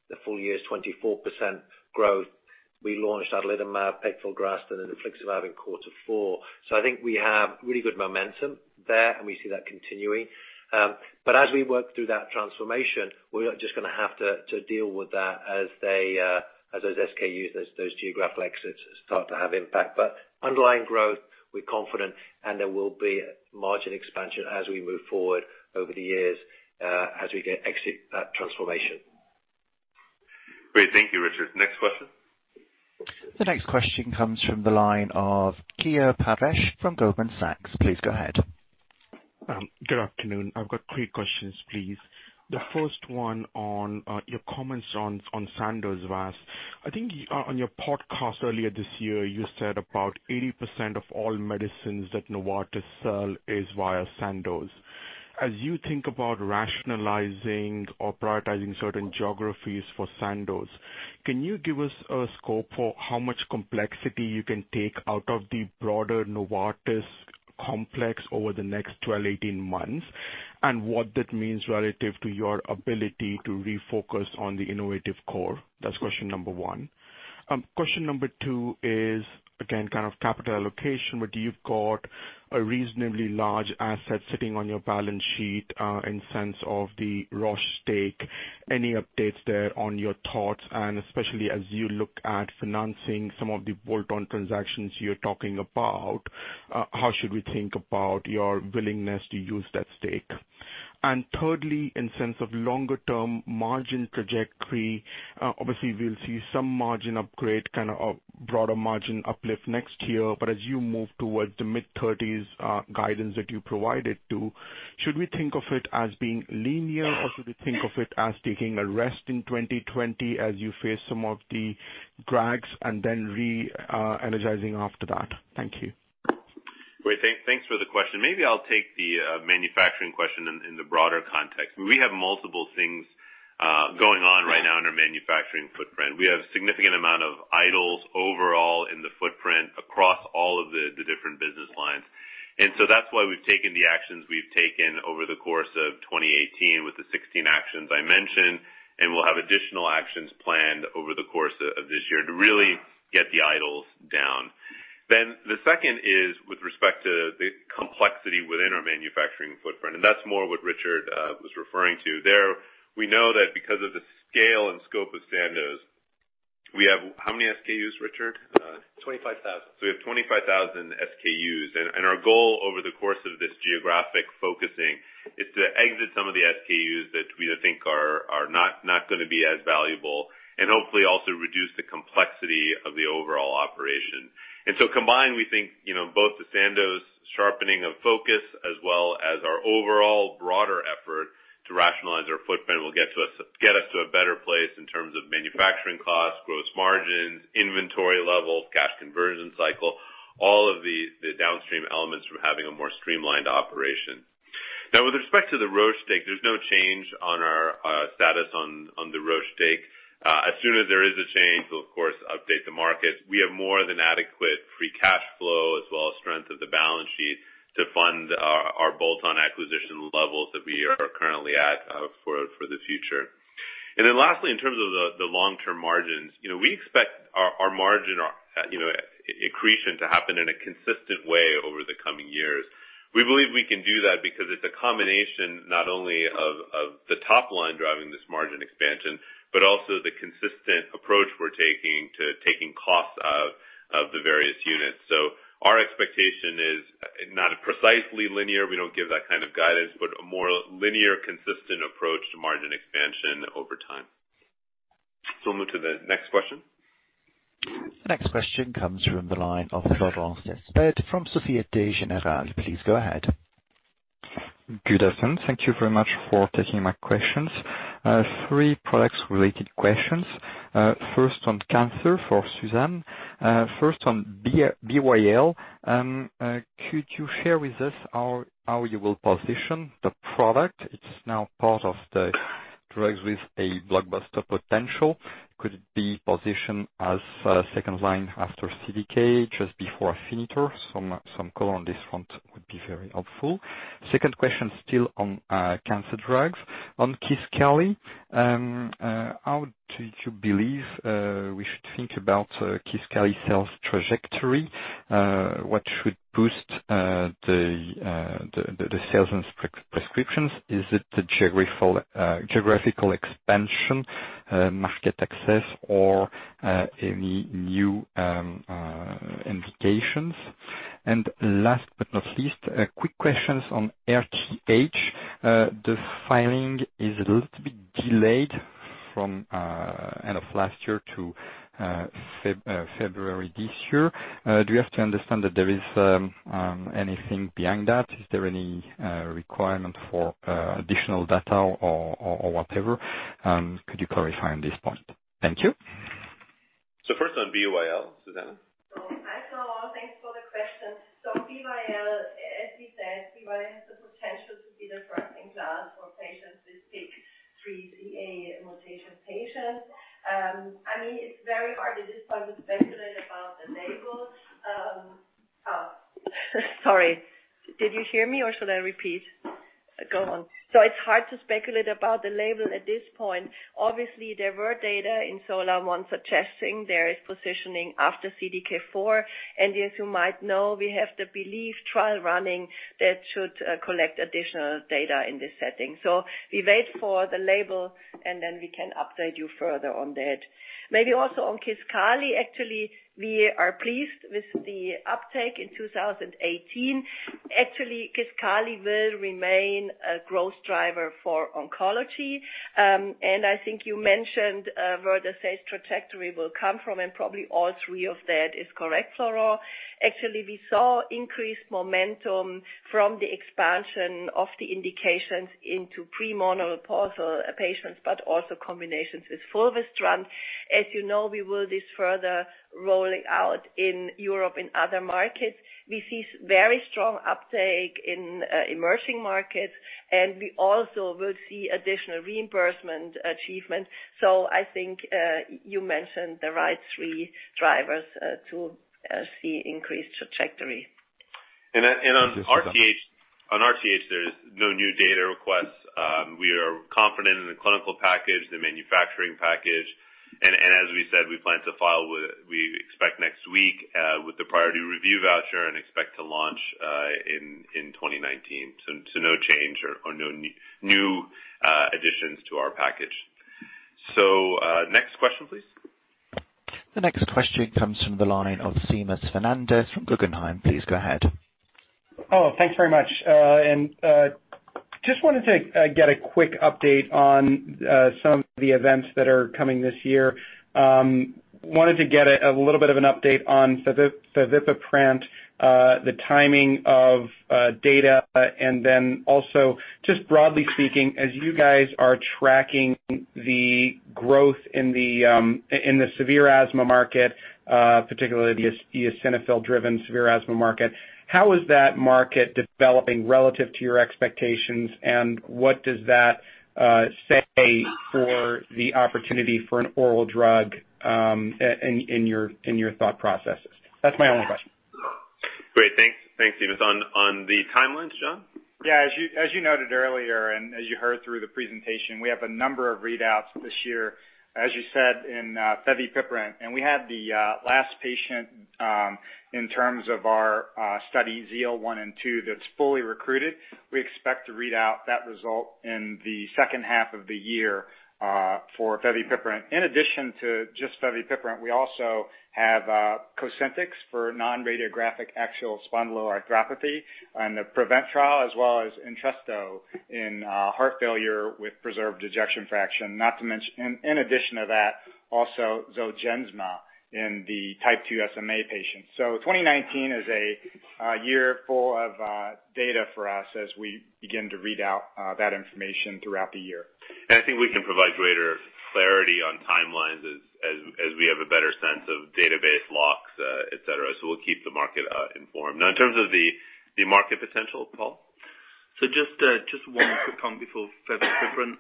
The full year is 24% growth. We launched adalimumab, pegfilgrastim, and infliximab in quarter four. I think we have really good momentum there, and we see that continuing. As we work through that transformation, we are just going to have to deal with that as those SKUs, those geographical exits start to have impact. Underlying growth, we're confident, and there will be margin expansion as we move forward over the years, as we exit that transformation. Great. Thank you, Richard. Next question. The next question comes from the line of Keyur Parekh from Goldman Sachs. Please go ahead. Good afternoon. I've got three questions, please. The first one on your comments on Sandoz, Vas. I think on your podcast earlier this year, you said about 80% of all medicines that Novartis sell is via Sandoz. As you think about rationalizing or prioritizing certain geographies for Sandoz, can you give us a scope for how much complexity you can take out of the broader Novartis complex over the next 12, 18 months and what that means relative to your ability to refocus on the innovative core? That's question number 1. Question number 2 is, again, kind of capital allocation, but you've got a reasonably large asset sitting on your balance sheet in sense of the Roche stake. Any updates there on your thoughts, and especially as you look at financing some of the bolt-on transactions you're talking about, how should we think about your willingness to use that stake? Thirdly, in sense of longer-term margin trajectory, obviously we'll see some margin upgrade, kind of a broader margin uplift next year. As you move towards the mid-thirties guidance that you provided to, should we think of it as being linear, or should we think of it as taking a rest in 2020 as you face some of the drags and then re-energizing after that? Thank you. Great. Thanks for the question. Maybe I'll take the manufacturing question in the broader context. We have multiple things going on right now in our manufacturing footprint. We have significant amount of idles overall in the footprint across all of the different business lines. That's why we've taken the actions we've taken over the course of 2018 with the 16 actions I mentioned, and we'll have additional actions planned over the course of this year to really get the idles down. The second is with respect to the complexity within our manufacturing footprint, and that's more what Richard was referring to. There, we know that because of the scale and scope of Sandoz, we have how many SKUs, Richard? 25,000. We have 25,000 SKUs. Our goal over the course of this geographic focusing is to exit some of the SKUs that we think are not going to be as valuable and hopefully also reduce the complexity of the overall operation. Combined, we think, both the Sandoz sharpening of focus as well as our overall broader effort to rationalize our footprint will get us to a better place in terms of manufacturing costs, gross margins, inventory levels, cash conversion cycle, all of the downstream elements from having a more streamlined operation. With respect to the Roche stake, there's no change on our status on the Roche stake. As soon as there is a change, we'll of course update the market. We have more than adequate free cash flow as well as strength of the balance sheet to fund our bolt-on acquisition levels that we are currently at for the future. Lastly, in terms of the long-term margins, we expect our margin accretion to happen in a consistent way over the coming years. We believe we can do that because it's a combination not only of the top line driving this margin expansion, but also the consistent approach we're taking to taking costs out of the various units. Our expectation is not precisely linear. We don't give that kind of guidance, but a more linear, consistent approach to margin expansion over time. We'll move to the next question. Next question comes from the line of Florent Cespedes from Société Générale. Please go ahead. Good afternoon. Thank you very much for taking my questions. Three products related questions. First on cancer for Susanne. First on BYL, could you share with us how you will position the product? It's now part of the drugs with a blockbuster potential. Could it be positioned as a second line after CDK, just before Afinitor? Some color on this front would be very helpful. Second question still on cancer drugs. On Kisqali, how did you believe we should think about Kisqali sales trajectory? What should boost the sales and prescriptions? Is it the geographical expansion, market access, or any new indications? Last but not least, quick questions on RTH258. The filing is a little bit delayed from end of last year to February this year. Do you have to understand that there is anything behind that? Is there any requirement for additional data or whatever? Could you clarify on this point? Thank you. First on BYL, Susanne. Hi, Florent. Thanks for the question. BYL, as we said, BYL has the potential to be the first-in-class for patients with PIK3CA mutation patients. It's very hard at this point to speculate about the label. Sorry, did you hear me or should I repeat? Go on. It's hard to speculate about the label at this point. Obviously, there were data in SOLAR-1 suggesting there is positioning after CDK4, and as you might know, we have the BYLieve trial running that should collect additional data in this setting. We wait for the label, and then we can update you further on that. Maybe also on Kisqali, actually, we are pleased with the uptake in 2018. Actually, Kisqali will remain a growth driver for oncology. I think you mentioned where the sales trajectory will come from, and probably all three of that is correct, Florent. Actually, we saw increased momentum from the expansion of the indications into premenopausal patients, but also combinations with fulvestrant. As you know, we will this further rolling out in Europe and other markets. We see very strong uptake in emerging markets, and we also will see additional reimbursement achievements. I think, you mentioned the right three drivers to see increased trajectory. On RTH258, there is no new data requests. We are confident in the clinical package, the manufacturing package, and as we said, we plan to file, we expect next week, with the priority review voucher and expect to launch in 2019. No change or no new additions to our package. Next question, please. The next question comes from the line of Seamus Fernandez from Guggenheim. Please go ahead. Oh, thanks very much. Just wanted to get a quick update on some of the events that are coming this year. Wanted to get a little bit of an update on fevipiprant, the timing of data. Also just broadly speaking, as you guys are tracking the growth in the severe asthma market, particularly the eosinophil-driven severe asthma market, how is that market developing relative to your expectations, and what does that say for the opportunity for an oral drug in your thought processes? That's my only question. Great. Thanks, Seamus. On the timelines, John? Yeah, as you noted earlier. As you heard through the presentation, we have a number of readouts this year, as you said, in fevipiprant. We have the last patient, in terms of our study ZEAL1 and ZEAL2 that's fully recruited. We expect to read out that result in the second half of the year for fevipiprant. In addition to just fevipiprant, we also have COSENTYX for non-radiographic axial spondyloarthritis and the PREVENT trial as well as Entresto in heart failure with preserved ejection fraction. In addition to that, also Zolgensma in the Type 2 SMA patients. 2019 is a year full of data for us as we begin to read out that information throughout the year. I think we can provide greater clarity on timelines as we have a better sense of database locks, et cetera. We'll keep the market informed. In terms of the market potential, Paul? Just one quick comment before fevipiprant.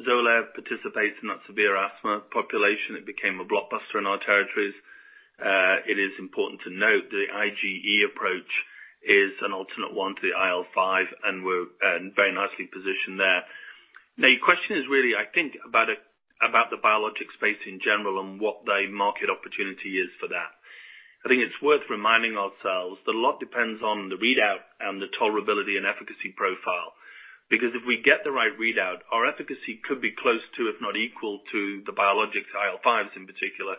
Xolair participates in that severe asthma population. It became a blockbuster in our territories. It is important to note that the IgE approach is an alternate one to the IL-5. We're very nicely positioned there. The question is really, I think, about the biologic space in general and what the market opportunity is for that. I think it's worth reminding ourselves that a lot depends on the readout and the tolerability and efficacy profile. If we get the right readout, our efficacy could be close to, if not equal to, the biologics IL-5s in particular.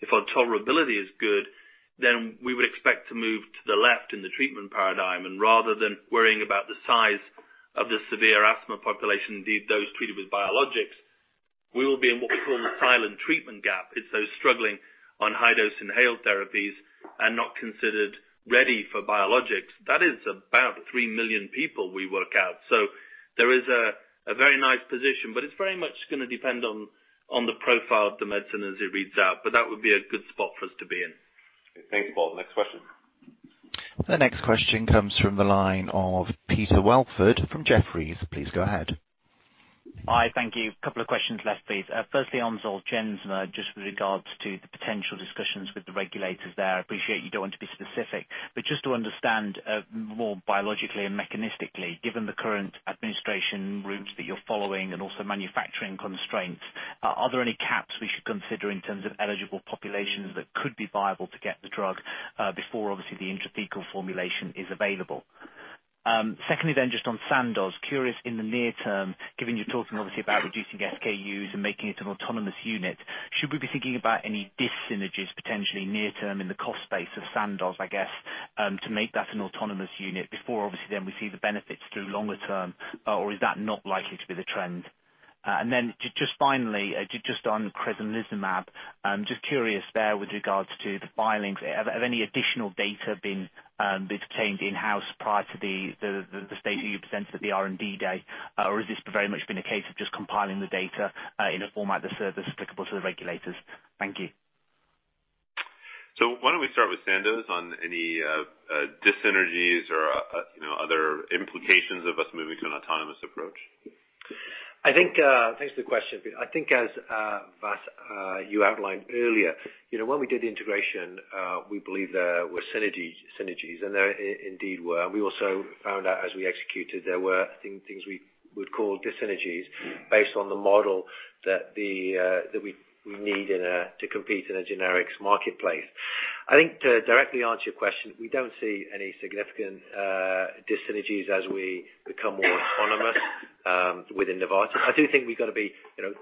If our tolerability is good, we would expect to move to the left in the treatment paradigm. Rather than worrying about the size of the severe asthma population, indeed those treated with biologics, we will be in what we call the silent treatment gap. It's those struggling on high-dose inhaled therapies and not considered ready for biologics. That is about three million people we work out. There is a very nice position, but it's very much going to depend on the profile of the medicine as it reads out. That would be a good spot for us to be in. Thanks, Paul. Next question. The next question comes from the line of Peter Welford from Jefferies. Please go ahead. Hi. Thank you. Couple of questions, Les, please. Firstly on Zolgensma, just with regards to the potential discussions with the regulators there. I appreciate you don't want to be specific, but just to understand more biologically and mechanistically, given the current administration routes that you're following and also manufacturing constraints, are there any caps we should consider in terms of eligible populations that could be viable to get the drug before obviously the intrathecal formulation is available? Secondly then, just on Sandoz. Curious in the near term, given you're talking obviously about reducing SKUs and making it an autonomous unit, should we be thinking about any dis-synergies potentially near term in the cost base of Sandoz, I guess, to make that an autonomous unit before obviously then we see the benefits through longer term, or is that not likely to be the trend? Just finally, just on crizanlizumab, I'm just curious there with regards to the filings. Have any additional data been obtained in-house prior to the state you presented the R&D day? Has this very much been a case of just compiling the data in a format that serves applicable to the regulators? Thank you. Why don't we start with Sandoz on any dis-synergies or other implications of us moving to an autonomous approach. Thanks for the question. I think as, Vas, you outlined earlier, when we did the integration, we believe there were synergies, and there indeed were. We also found out as we executed there were things we would call dis-synergies based on the model that we need to compete in a generics marketplace. I think to directly answer your question, we don't see any significant dis-synergies as we become more autonomous within Novartis. I do think we've got to be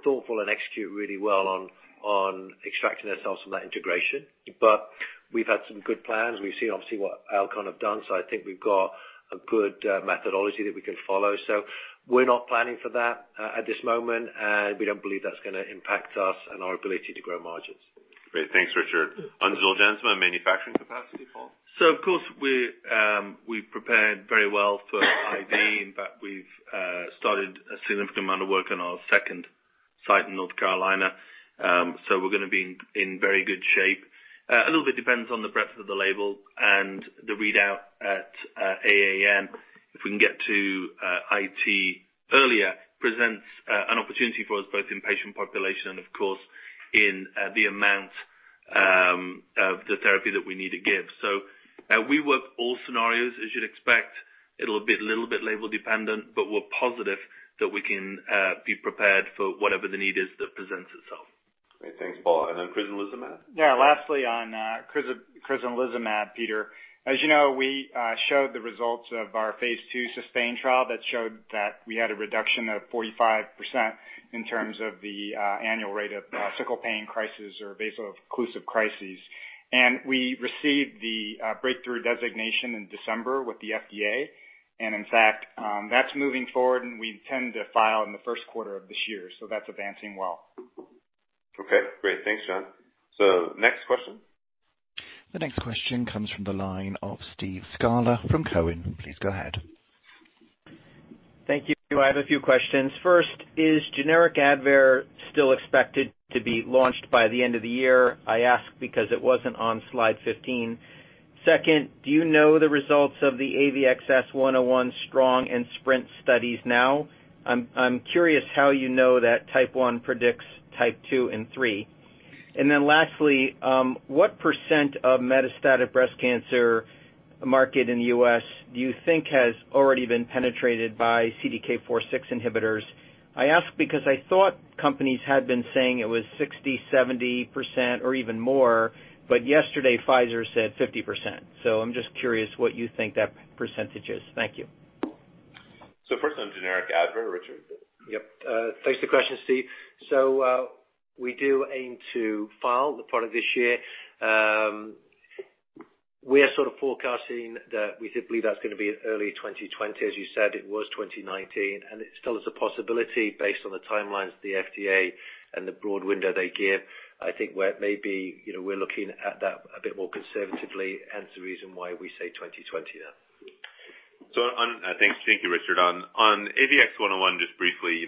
thoughtful and execute really well on extracting ourselves from that integration. We've had some good plans. We've seen obviously what Alcon have done. I think we've got a good methodology that we can follow. We're not planning for that at this moment, and we don't believe that's going to impact us and our ability to grow margins. Great. Thanks, Richard. On Zolgensma manufacturing capacity, Paul? Of course, we prepared very well for IV. In fact, we've started a significant amount of work on our second site in North Carolina. We're going to be in very good shape. A little bit depends on the breadth of the label and the readout at AAN. If we can get to IT earlier, presents an opportunity for us both in patient population and of course, in the amount of the therapy that we need to give. We work all scenarios, as you'd expect. It'll be a little bit label-dependent, but we're positive that we can be prepared for whatever the need is that presents itself. Great. Thanks, Paul. Then crizanlizumab? Yeah. Lastly, on crizanlizumab, Peter. As you know, we showed the results of our phase II SUSTAIN trial that showed that we had a reduction of 45% in terms of the annual rate of sickle pain crisis or vaso-occlusive crises. We received the breakthrough designation in December with the FDA. In fact, that's moving forward, and we intend to file in the first quarter of this year. That's advancing well. Okay, great. Thanks, John. Next question. The next question comes from the line of Steve Scala from Cowen. Please go ahead. Thank you. I have a few questions. First, is generic ADVAIR still expected to be launched by the end of the year? I ask because it wasn't on slide 15. Second, do you know the results of the AVXS-101 STRONG and SPRINT studies now? I'm curious how you know that Type 1 predicts Type 2 and 3. Lastly, what percent of metastatic breast cancer market in the U.S. do you think has already been penetrated by CDK4/6 inhibitors? I ask because I thought companies had been saying it was 60%, 70% or even more, but yesterday Pfizer said 50%. I'm just curious what you think that percentage is. Thank you. First on generic ADVAIR, Richard. Yep. Thanks for the question, Steve. We do aim to file the product this year. We are sort of forecasting that we did believe that's going to be early 2020. As you said, it was 2019, and it still is a possibility based on the timelines of the FDA and the broad window they give. I think where it may be, we're looking at that a bit more conservatively, and it's the reason why we say 2020 now. Thank you, Richard. On AVXS-101, just briefly,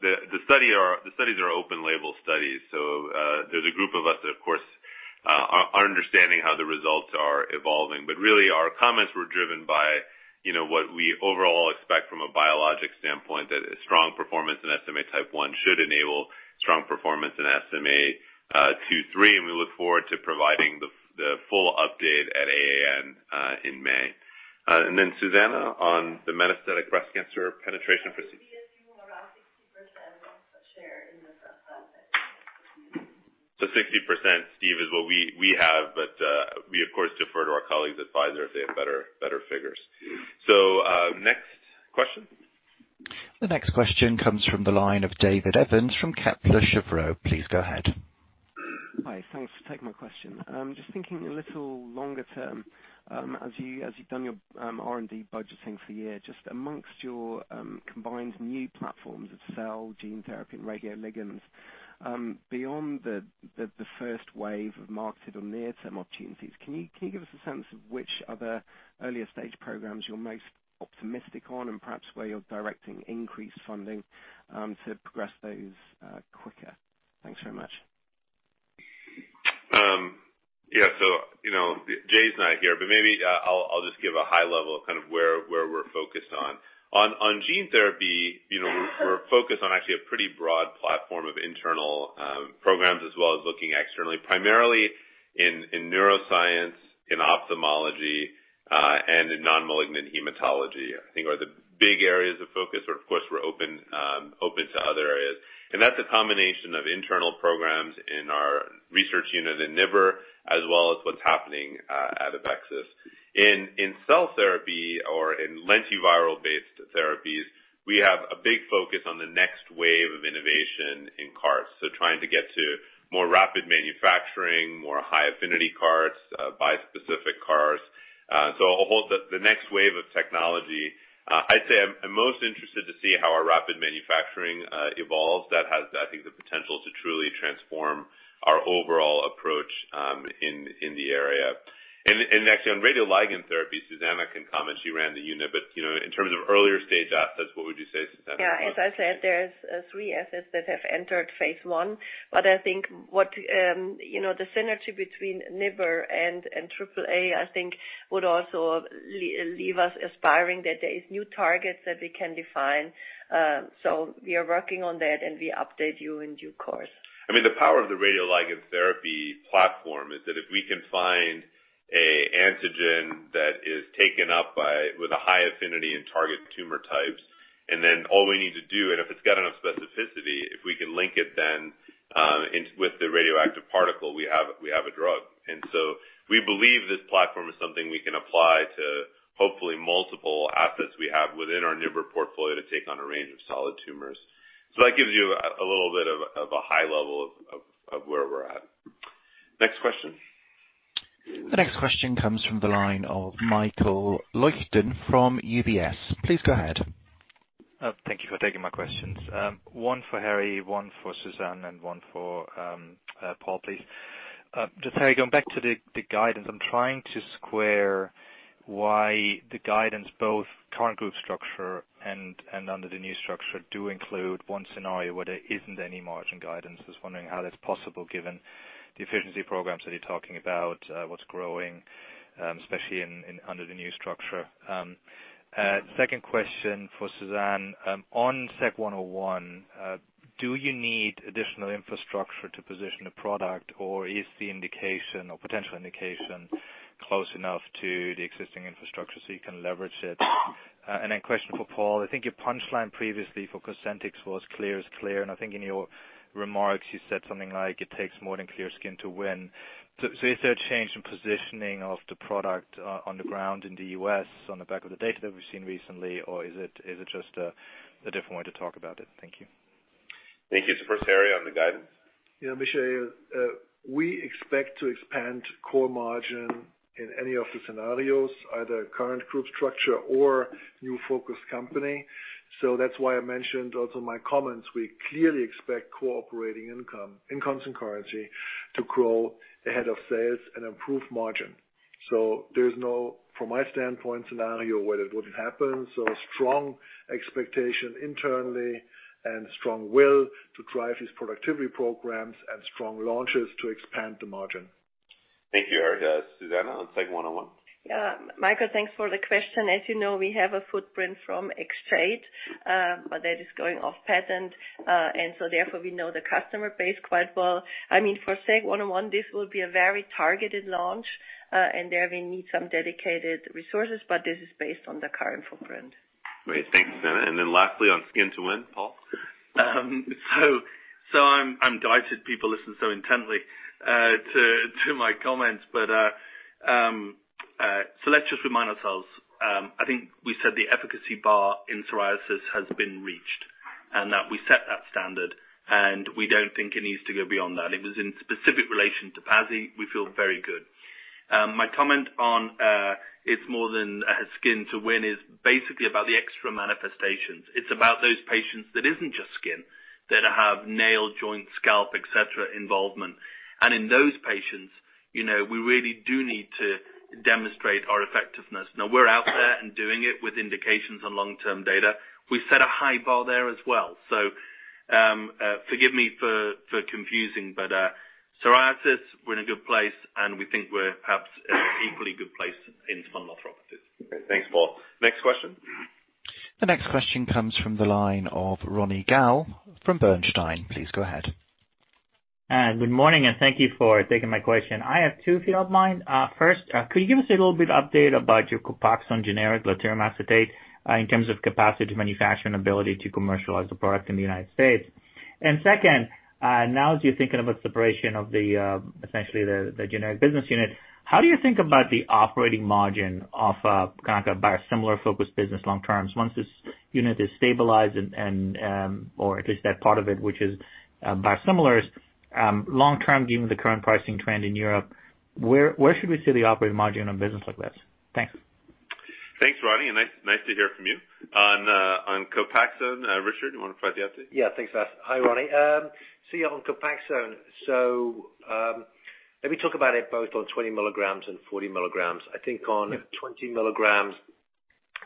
the studies are open label studies. There's a group of us that, of course, are understanding how the results are evolving. But really our comments were driven by what we overall expect from a biologic standpoint, that a strong performance in SMA Type 1 should enable strong performance in SMA 2, 3, and we look forward to providing the full update at AAN in May. Susanne, on the metastatic breast cancer penetration. It would be a few around 60% share in the breast cancer. 60%, Steve, is what we have, but we of course defer to our colleagues at Pfizer if they have better figures. Next question. The next question comes from the line of David Evans from Kepler Cheuvreux. Please go ahead. Hi, thanks for taking my question. Just thinking a little longer term, as you've done your R&D budgeting for the year, just amongst your combined new platforms of cell gene therapy and radioligands. Beyond the first wave of marketed or near-term opportunities, can you give us a sense of which other earlier-stage programs you're most optimistic on, and perhaps where you're directing increased funding to progress those quicker? Thanks very much. Yeah. Jay's not here, but maybe I'll just give a high level of kind of where we're focused on. On gene therapy, we're focused on actually a pretty broad platform of internal programs as well as looking externally, primarily in neuroscience, in ophthalmology, and in non-malignant hematology, I think are the big areas of focus. But of course, we're open to other areas. And that's a combination of internal programs in our research unit in NIBR, as well as what's happening at AveXis. In cell therapy or in lentiviral-based therapies, we have a big focus on the next wave of innovation in CAR. Trying to get to more rapid manufacturing, more high-affinity CARs, bispecific CARs. The next wave of technology. I'd say I'm most interested to see how our rapid manufacturing evolves. That has, I think, the potential to truly transform our overall approach in the area. Actually on radioligand therapy, Susanne can comment. She ran the unit. In terms of earlier-stage assets, what would you say, Susanne? As I said, there's three assets that have entered phase I. I think the synergy between NIBR and AAA, I think would also leave us aspiring that there is new targets that we can define. We are working on that, and we update you in due course. The power of the radioligand therapy platform is that if we can find an antigen that is taken up with a high affinity in target tumor types, and then all we need to do, and if it's got enough specificity, if we can link it then with the radioactive particle, we have a drug. We believe this platform is something we can apply to hopefully multiple assets we have within our NIBR portfolio to take on a range of solid tumors. That gives you a little bit of a high level of where we're at. Next question. The next question comes from the line of Michael Leuchten from UBS. Please go ahead. Thank you for taking my questions. One for Harry, one for Susanne, and one for Paul, please. Harry, going back to the guidance, I'm trying to square why the guidance, both current group structure and under the new structure, do include one scenario where there isn't any margin guidance. Just wondering how that's possible given the efficiency programs that you're talking about, what's growing, especially under the new structure. Second question for Susanne. On SEG101, do you need additional infrastructure to position a product, or is the indication or potential indication close enough to the existing infrastructure so you can leverage it? Then question for Paul. I think your punchline previously for COSENTYX was clear is clear, and I think in your remarks you said something like, "It takes more than clear skin to win." Is there a change in positioning of the product on the ground in the U.S. on the back of the data that we've seen recently, or is it just a different way to talk about it? Thank you. Thank you. First, Harry, on the guidance. Yeah, Michael, we expect to expand core margin in any of the scenarios, either current group structure or new focused company. That's why I mentioned also my comments. We clearly expect operating income in constant currency to grow ahead of sales and improve margin. There's no, from my standpoint, scenario where it wouldn't happen. Strong expectation internally and strong will to drive these productivity programs and strong launches to expand the margin. Thank you, Harry. Susanne, on SEG101. Yeah. Michael, thanks for the question. As you know, we have a footprint from Exjade, but that is going off patent. Therefore, we know the customer base quite well. For SEG101, this will be a very targeted launch. There we need some dedicated resources, but this is based on the current footprint. Great. Thanks, Susanne. Then lastly, on skin to win, Paul? I'm guided people listen so intently to my comments. Let's just remind ourselves, I think we said the efficacy bar in psoriasis has been reached, and that we set that standard, and we don't think it needs to go beyond that. It was in specific relation to PASI. We feel very good. My comment on it's more than skin to win is basically about the extra manifestations. It's about those patients that isn't just skin, that have nail, joint, scalp, et cetera, involvement. In those patients, we really do need to demonstrate our effectiveness. Now, we're out there and doing it with indications on long-term data. We set a high bar there as well. Forgive me for confusing, but psoriasis, we're in a good place. We think we're perhaps in an equally good place in spondyloarthritis. Okay. Thanks, Paul. Next question. The next question comes from the line of Ronny Gal from Bernstein. Please go ahead. Good morning, thank you for taking my question. I have two, if you don't mind. First, could you give us a little bit of update about your COPAXONE generic, glatiramer acetate, in terms of capacity to manufacture and ability to commercialize the product in the U.S. And second, now as you're thinking about separation of essentially the generic business unit, how do you think about the operating margin of kind of a biosimilar-focused business long term? Once this unit is stabilized, or at least that part of it, which is biosimilars, long term, given the current pricing trend in Europe, where should we see the operating margin on business like this? Thanks. Thanks, Ronny, nice to hear from you. On COPAXONE, Richard, you want to provide the update? Yeah, thanks, Vas. Hi, Ronny. Yeah, on COPAXONE. Let me talk about it both on 20 mg and 40 mg. I think on 20 mg,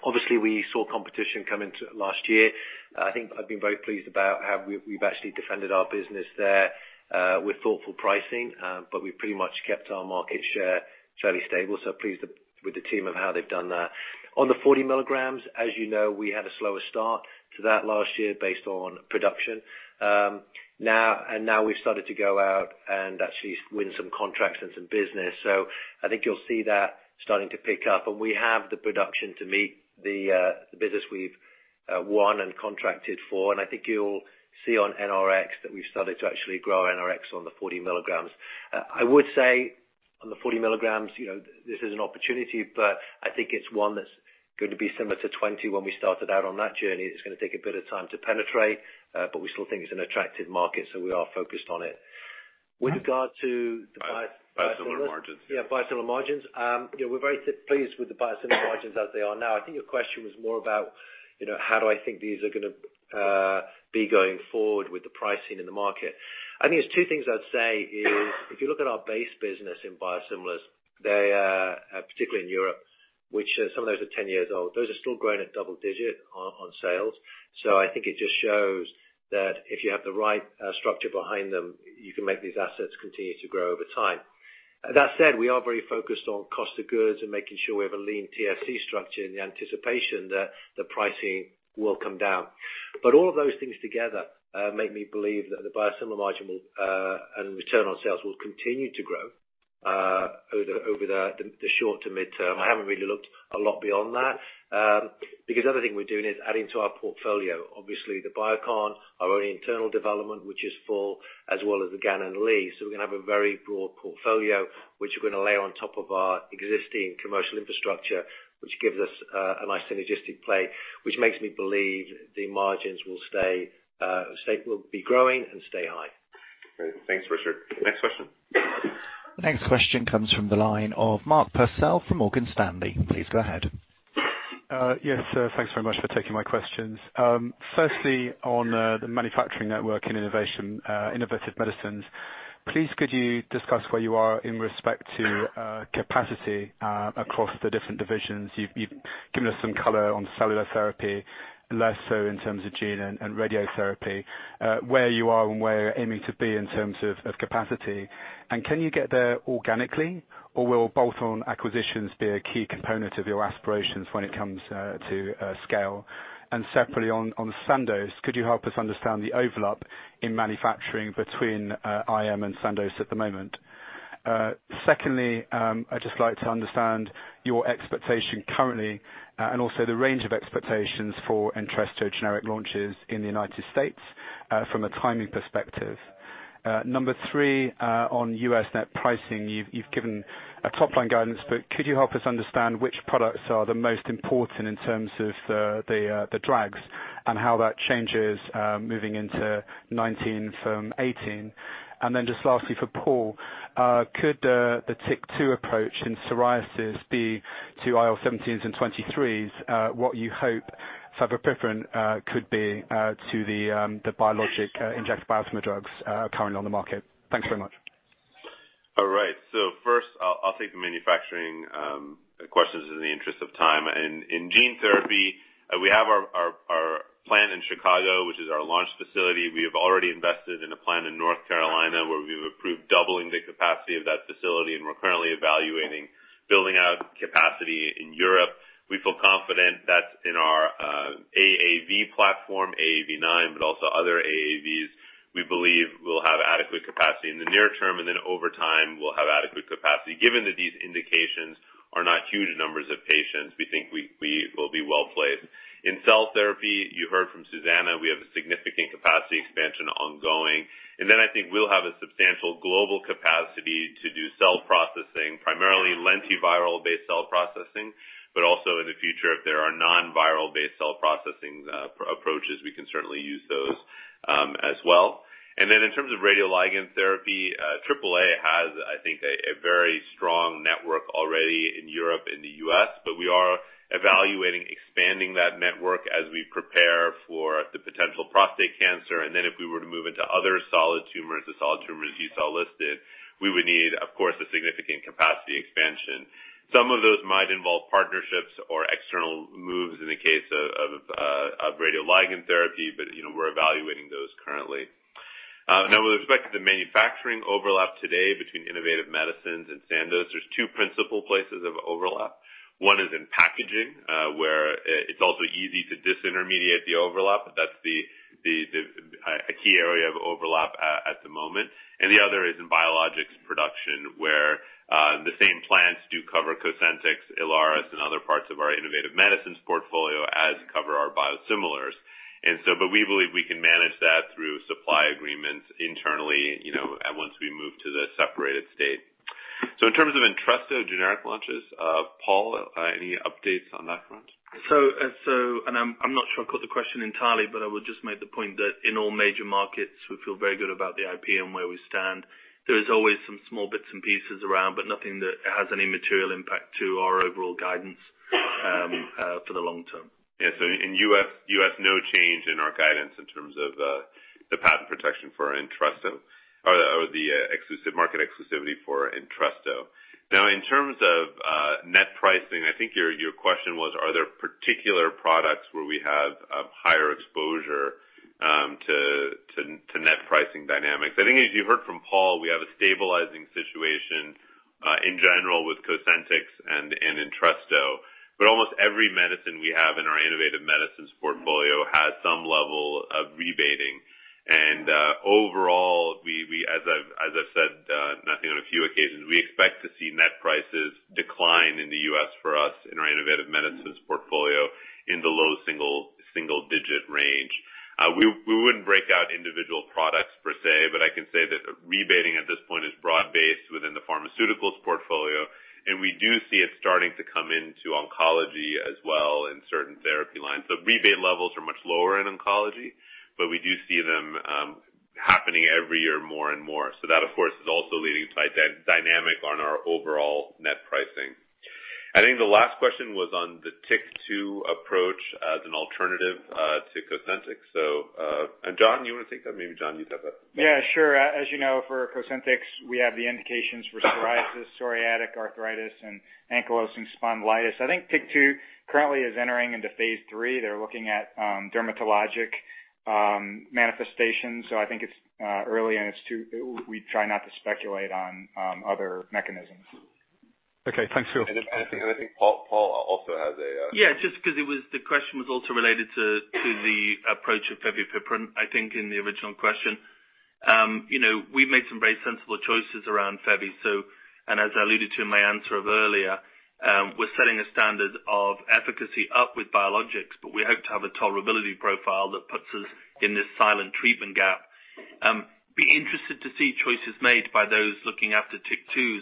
obviously we saw competition come into it last year. I think I've been very pleased about how we've actually defended our business there, with thoughtful pricing. We've pretty much kept our market share fairly stable. Pleased with the team of how they've done that. On the 40 mg, as you know, we had a slower start to that last year based on production. Now we've started to go out and actually win some contracts and some business. I think you'll see that starting to pick up, and we have the production to meet the business we've won and contracted for. I think you'll see on NRx that we've started to actually grow our NRx on the 40 mg. I would say on the 40 mg, this is an opportunity, I think it's one that's going to be similar to 20 mg when we started out on that journey. It's going to take a bit of time to penetrate, we still think it's an attractive market, we are focused on it. With regard to the biosimilar- Biosimilar margins. Yeah, biosimilar margins. We're very pleased with the biosimilar margins as they are now. I think your question was more about, how do I think these are going to be going forward with the pricing in the market? I think there's two things I'd say is, if you look at our base business in biosimilars, particularly in Europe, which some of those are 10 years old, those are still growing at double-digit on sales. I think it just shows that if you have the right structure behind them, you can make these assets continue to grow over time. That said, we are very focused on cost of goods and making sure we have a lean TSE structure in the anticipation that the pricing will come down. All of those things together, make me believe that the biosimilar margin and return on sales will continue to grow, over the short to midterm. I haven't really looked a lot beyond that. Because the other thing we're doing is adding to our portfolio. Obviously, the Biocon, our own internal development, which is full, as well as the Gan & Lee. We're going to have a very broad portfolio, which we're going to layer on top of our existing commercial infrastructure, which gives us a nice synergistic play, which makes me believe the margins will be growing and stay high. Great. Thanks, Richard. Next question. The next question comes from the line of Mark Purcell from Morgan Stanley. Please go ahead. Thanks very much for taking my questions. Firstly, on the manufacturing network in innovative medicines, please could you discuss where you are in respect to capacity across the different divisions? You've given us some color on cellular therapy, less so in terms of gene and radiotherapy. Where you are and where you're aiming to be in terms of capacity. And can you get there organically, or will bolt-on acquisitions be a key component of your aspirations when it comes to scale? And separately on Sandoz, could you help us understand the overlap in manufacturing between IM and Sandoz at the moment? Secondly, I'd just like to understand your expectation currently, and also the range of expectations for ENTRESTO generic launches in the U.S., from a timing perspective. Number three, on U.S. net pricing. You've given a top-line guidance, but could you help us understand which products are the most important in terms of the drags and how that changes moving into 2019 from 2018? Just lastly, for Paul, could the TYK2 approach in psoriasis be to IL-17s and 23s, what you hope fevipiprant could be to the injected biosimilar drugs currently on the market? Thanks very much. All right. First, I'll take the manufacturing questions in the interest of time. In gene therapy, we have our plan in Chicago, which is our launch facility. We have already invested in a plant in North Carolina, where we've approved doubling the capacity of that facility, and we're currently evaluating building out capacity in Europe. We feel confident that in our AAV platform, AAV9, but also other AAVs, we believe we'll have adequate capacity in the near term, and over time, we'll have adequate capacity. Given that these indications are not huge numbers of patients, we think we will be well-placed. In cell therapy, you heard from Susanne, we have a significant capacity expansion ongoing, and I think we'll have a substantial global capacity to do cell processing, primarily lentiviral-based cell processing, but also in the future, if there are non-viral based cell processing approaches, we can certainly use those as well. In terms of radioligand therapy, Advanced Accelerator Applications has, I think, a very strong network already in Europe and the U.S., but we are evaluating expanding that network as we prepare for the potential prostate cancer. If we were to move into other solid tumors, the solid tumors you saw listed, we would need, of course, a significant capacity expansion. Some of those might involve partnerships or external moves in the case of radioligand therapy, but we're evaluating those currently. Now with respect to the manufacturing overlap today between Innovative Medicines and Sandoz, there's two principal places of overlap. One is in packaging, where it's also easy to disintermediate the overlap, but that's a key area of overlap at the moment. The other is in biologics production, where the same plants do cover COSENTYX, Ilaris, and other parts of our Innovative Medicines portfolio, as cover our biosimilars. We believe we can manage that through supply agreements internally, once we move to the separated state. In terms of ENTRESTO generic launches, Paul, any updates on that front? I'm not sure I caught the question entirely, but I would just make the point that in all major markets, we feel very good about the IP and where we stand. There is always some small bits and pieces around, but nothing that has any material impact to our overall guidance for the long term. In U.S., no change in our guidance in terms of the patent protection for Entresto or the market exclusivity for Entresto. Now, in terms of net pricing, I think your question was, are there particular products where we have higher exposure to net pricing dynamics? I think as you heard from Paul, we have a stabilizing situation in general with COSENTYX and Entresto. But almost every medicine we have in our Innovative Medicines portfolio has some level of rebating. Overall, as I've said nothing on a few occasions, we expect to see net prices decline in the U.S. for us in our Innovative Medicines portfolio, in the low single-digit range. We wouldn't break out individual products per se, but I can say that the rebating at this point is broad-based within the pharmaceuticals portfolio, and we do see it starting to come into oncology as well in certain therapy lines. The rebate levels are much lower in oncology, but we do see them happening every year more and more. That, of course, is also leading to dynamic on our overall net pricing. I think the last question was on the TYK2 approach as an alternative to COSENTYX. John, you want to take that? Maybe John you've got that. As you know, for COSENTYX, we have the indications for psoriasis, psoriatic arthritis, and ankylosing spondylitis. I think TYK2 currently is entering into phase III. They're looking at dermatologic manifestations. I think it's early and we try not to speculate on other mechanisms. Okay. Thanks, Phil. I think Paul also has. Yeah, just because the question was also related to the approach of fevipiprant, I think, in the original question. We've made some very sensible choices around fevy. As I alluded to in my answer of earlier, we're setting a standard of efficacy up with biologics, but we hope to have a tolerability profile that puts us in this silent treatment gap. Be interested to see choices made by those looking after TYK2s,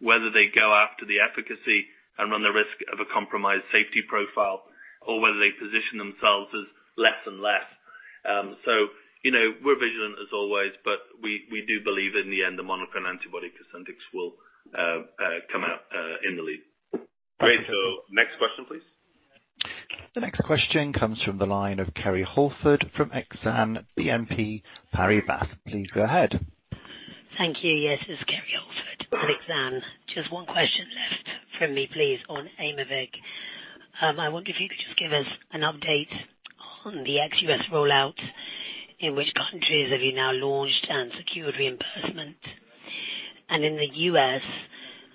whether they go after the efficacy and run the risk of a compromised safety profile, or whether they position themselves as less and less. We're vigilant as always, but we do believe in the end, the monoclonal antibody COSENTYX will come out in the lead. Great. Next question, please. The next question comes from the line of Kerry Holford from Exane BNP Paribas. Please go ahead. Thank you. Yes, it's Kerry Holford at Exane. Just one question left from me, please, on Aimovig. I wonder if you could just give us an update on the ex-U.S. rollout. In which countries have you now launched and secured reimbursement? In the U.S.,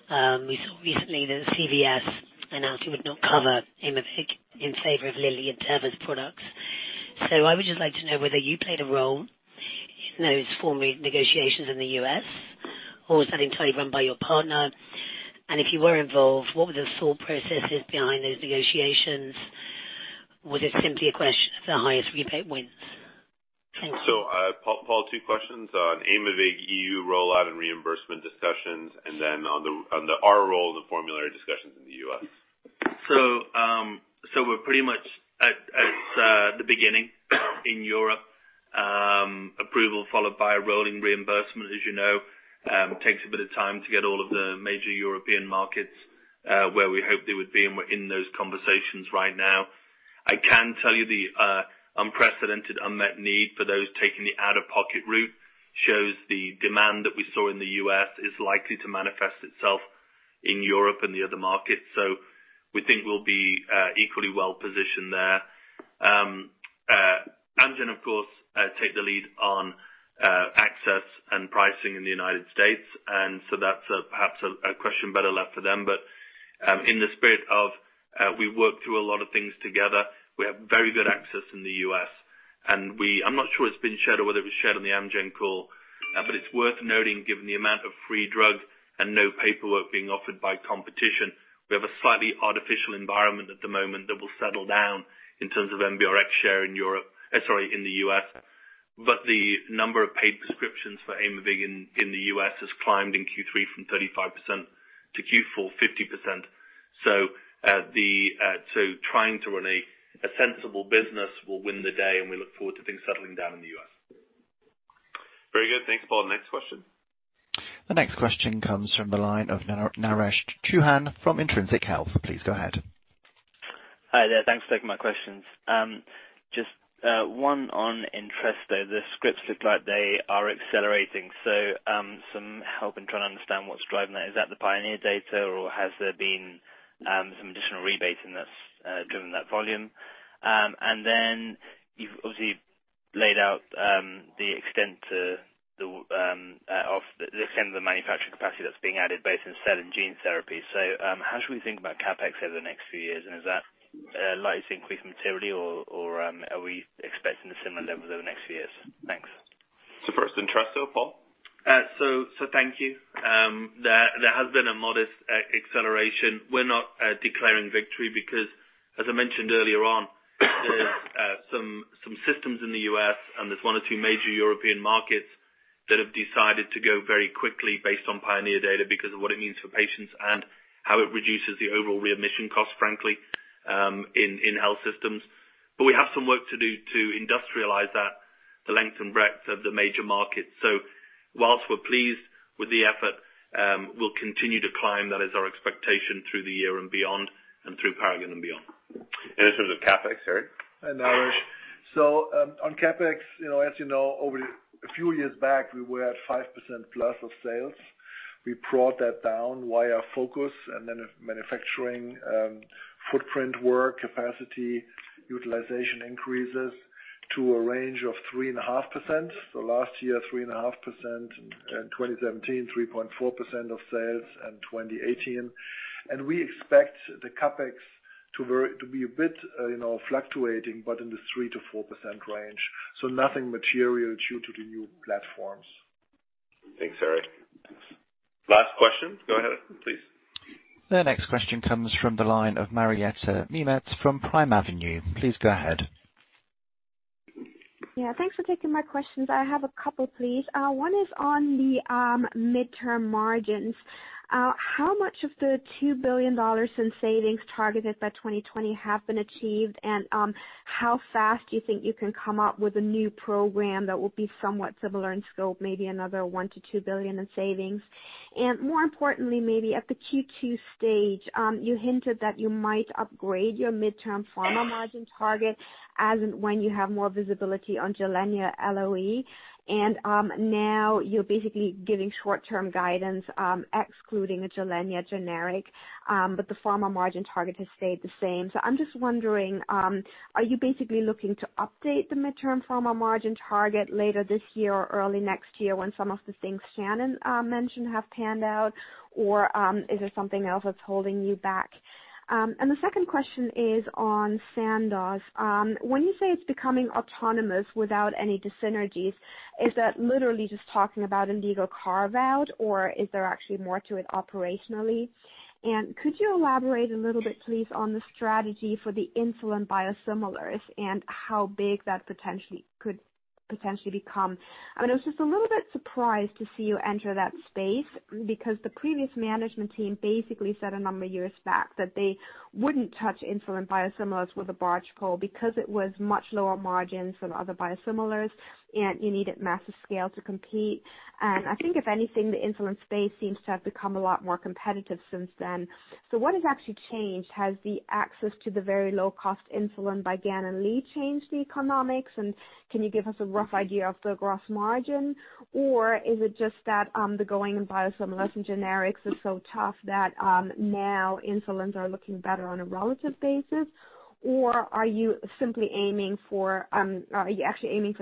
we saw recently that CVS announced it would not cover Aimovig in favor of Lilly and Teva's products. I would just like to know whether you played a role in those formulary negotiations in the U.S., or was that entirely run by your partner? If you were involved, what were the thought processes behind those negotiations? Was it simply a question of the highest rebate wins? Thank you. Paul, two questions on Aimovig EU rollout and reimbursement discussions, then on our role in the formulary discussions in the U.S. We're pretty much at the beginning in Europe. Approval followed by a rolling reimbursement, as you know, takes a bit of time to get all of the major European markets where we hoped they would be, we're in those conversations right now. I can tell you the unprecedented unmet need for those taking the out-of-pocket route shows the demand that we saw in the U.S. is likely to manifest itself in Europe and the other markets. We think we'll be equally well-positioned there. Amgen, of course, take the lead on access and pricing in the United States, that's perhaps a question better left for them. In the spirit of we work through a lot of things together, we have very good access in the U.S. I'm not sure it's been shared or whether it was shared on the Amgen call, but it's worth noting given the amount of free drug and no paperwork being offered by competition, we have a slightly artificial environment at the moment that will settle down in terms of NBRx share in the U.S. But the number of paid prescriptions for Aimovig in the U.S. has climbed in Q3 from 35% to Q4, 50%. Trying to run a sensible business will win the day, and we look forward to things settling down in the U.S. Very good. Thanks, Paul. Next question. The next question comes from the line of Naresh Chouhan from Intrinsic Health. Please go ahead. Hi there. Thanks for taking my questions. Just one on Entresto. The scripts look like they are accelerating, some help in trying to understand what's driving that. Is that the PIONEER data or has there been some additional rebates and that's driven that volume? You've obviously laid out the extent of the manufacturing capacity that's being added both in cell and gene therapy. How should we think about CapEx over the next few years? Is that likely to increase materially or are we expecting a similar level over the next few years? Thanks. First, Entresto, Paul? Thank you. There has been a modest acceleration. We're not declaring victory because as I mentioned earlier on, there's some systems in the U.S. and there's one or two major European markets that have decided to go very quickly based on PIONEER data because of what it means for patients and how it reduces the overall readmission cost, frankly, in health systems. We have some work to do to industrialize that, the length and breadth of the major markets. Whilst we're pleased with the effort, we'll continue to climb. That is our expectation through the year and beyond and through Paragon and beyond. In terms of CapEx, Harry? Hi, Naresh. On CapEx, as you know, over a few years back, we were at 5% plus of sales. We brought that down via focus and then manufacturing footprint work, capacity, utilization increases to a range of 3.5%. Last year, 3.5%, in 2017, 3.4% of sales, and 2018. We expect the CapEx to be a bit fluctuating, but in the 3%-4% range, so nothing material due to the new platforms. Thanks, Harry. Last question. Go ahead, please. The next question comes from the line of Marietta Miemietz from Primavenue. Please go ahead. Yeah. Thanks for taking my questions. I have a couple, please. One is on the midterm margins. How much of the CHF 2 billion in savings targeted by 2020 have been achieved? How fast do you think you can come up with a new program that will be somewhat similar in scope, maybe another 1 billion-2 billion in savings? More importantly, maybe at the Q2 stage, you hinted that you might upgrade your midterm pharma margin target as and when you have more visibility on Gilenya LOE. Now you're basically giving short-term guidance excluding the Gilenya generic, but the pharma margin target has stayed the same. I'm just wondering, are you basically looking to update the midterm pharma margin target later this year or early next year when some of the things Shannon mentioned have panned out? Or is there something else that's holding you back? The second question is on Sandoz. When you say it's becoming autonomous without any dyssynergies, is that literally just talking about Alcon carve-out, or is there actually more to it operationally? Could you elaborate a little bit please, on the strategy for the insulin biosimilars and how big that could potentially become? I was just a little bit surprised to see you enter that space because the previous management team basically said a number of years back that they wouldn't touch insulin biosimilars with a barge pole because it was much lower margins than other biosimilars, and you needed massive scale to compete. I think if anything, the insulin space seems to have become a lot more competitive since then. What has actually changed? Has the access to the very low-cost insulin by Gan & Lee changed the economics, and can you give us a rough idea of the gross margin? Is it just that the going in biosimilars and generics is so tough that now insulins are looking better on a relative basis? Are you actually aiming for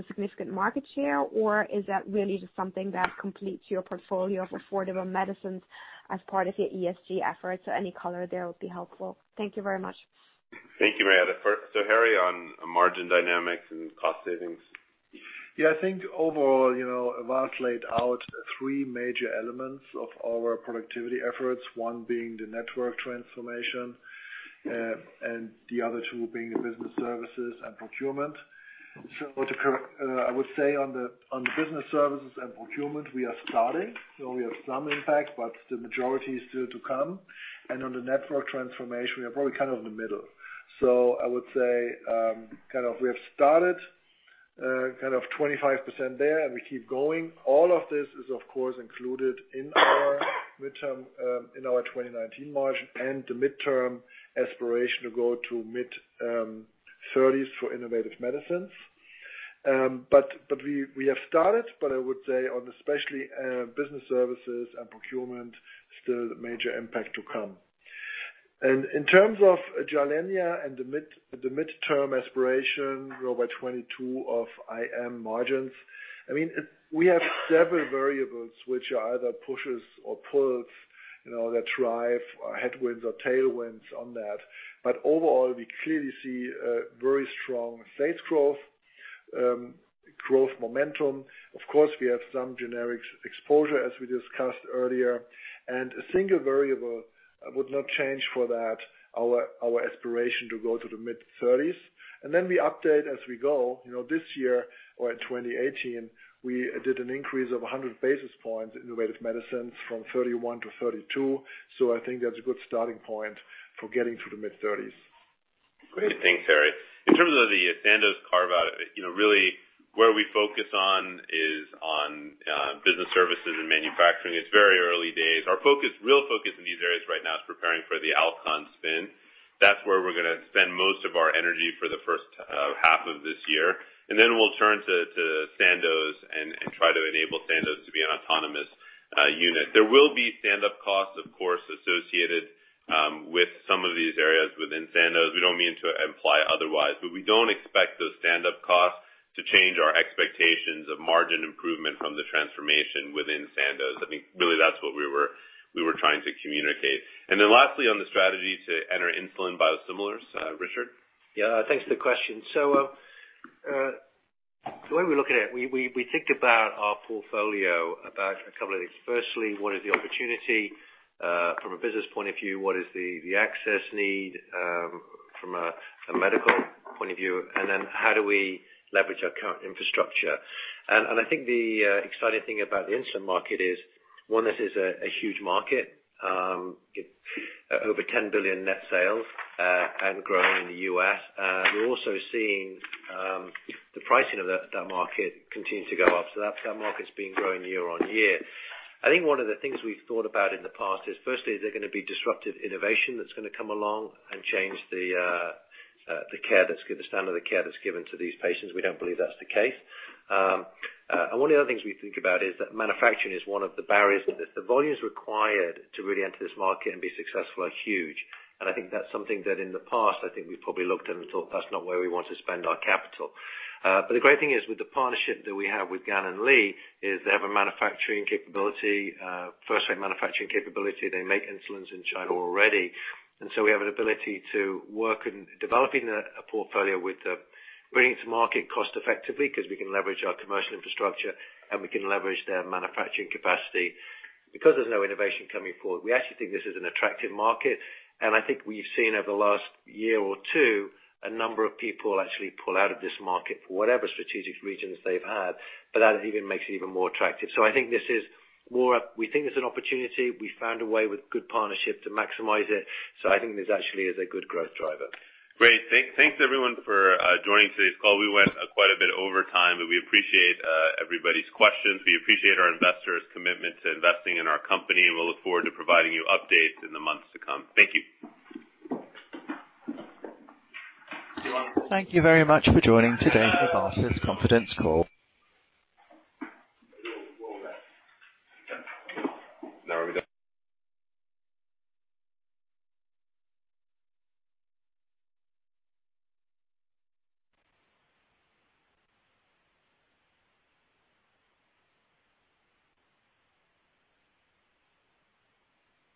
significant market share, or is that really just something that completes your portfolio of affordable medicines as part of your ESG efforts? Any color there would be helpful. Thank you very much. Thank you, Marietta. Harry, on margin dynamics and cost savings. I think overall, Vas laid out three major elements of our productivity efforts, one being the network transformation, and the other two being the business services and procurement. I would say on the business services and procurement, we are starting, so we have some impact, but the majority is still to come. On the network transformation, we are probably in the middle. I would say, we have started 25% there, and we keep going. All of this is of course included in our midterm in our 2019 margin and the midterm aspiration to go to mid-30s for innovative medicines. We have started, but I would say on especially business services and procurement, still the major impact to come. In terms of Gilenya and the midterm aspiration by 2022 of IM margins, we have several variables which are either pushes or pulls that drive headwinds or tailwinds on that. Overall, we clearly see very strong sales growth momentum. Of course, we have some generic exposure, as we discussed earlier, and a single variable would not change for that our aspiration to go to the mid-30s. Then we update as we go. This year or at 2018, we did an increase of 100 basis points Innovative Medicines from 31 to 32, so I think that's a good starting point for getting to the mid-30s. Great. Thanks, Harry. In terms of the Sandoz carve-out, really where we focus on is on business services and manufacturing. It's very early days. Our real focus in these areas right now is preparing for the Alcon spin. That's where we're going to spend most of our energy for the first half of this year, then we'll turn to Sandoz and try to enable Sandoz to be an autonomous unit. There will be standup costs, of course, associated with some of these areas within Sandoz. We don't mean to imply otherwise. We don't expect those standup costs to change our expectations of margin improvement from the transformation within Sandoz. Really, that's what we were trying to communicate. Lastly, on the strategy to enter insulin biosimilars, Richard? Thanks for the question. The way we look at it, we think about our portfolio about a couple of things. Firstly, what is the opportunity, from a business point of view, what is the access need from a medical point of view? How do we leverage our current infrastructure? I think the exciting thing about the insulin market is, one, this is a huge market. Over 10 billion net sales and growing in the U.S. We're also seeing the pricing of that market continue to go up. That market's been growing year-on-year. I think one of the things we've thought about in the past is, firstly, is there going to be disruptive innovation that's going to come along and change the standard of care that's given to these patients? We don't believe that's the case. One of the other things we think about is that manufacturing is one of the barriers. The volumes required to really enter this market and be successful are huge, and I think that's something that in the past I think we've probably looked and thought that's not where we want to spend our capital. But the great thing is with the partnership that we have with Gan & Lee is they have a first-rate manufacturing capability. They make insulins in China already, so we have an ability to work in developing a portfolio with bringing it to market cost-effectively because we can leverage our commercial infrastructure, and we can leverage their manufacturing capacity. There's no innovation coming forward, we actually think this is an attractive market, and I think we've seen over the last one or two a number of people actually pull out of this market for whatever strategic reasons they've had, but that even makes it even more attractive. We think it's an opportunity. We found a way with good partnership to maximize it. I think this actually is a good growth driver. Great. Thanks everyone for joining today's call. We went quite a bit over time. We appreciate everybody's questions. We appreciate our investors' commitment to investing in our company. We'll look forward to providing you updates in the months to come. Thank you. Thank you very much for joining today's Novartis confidence call. We're done.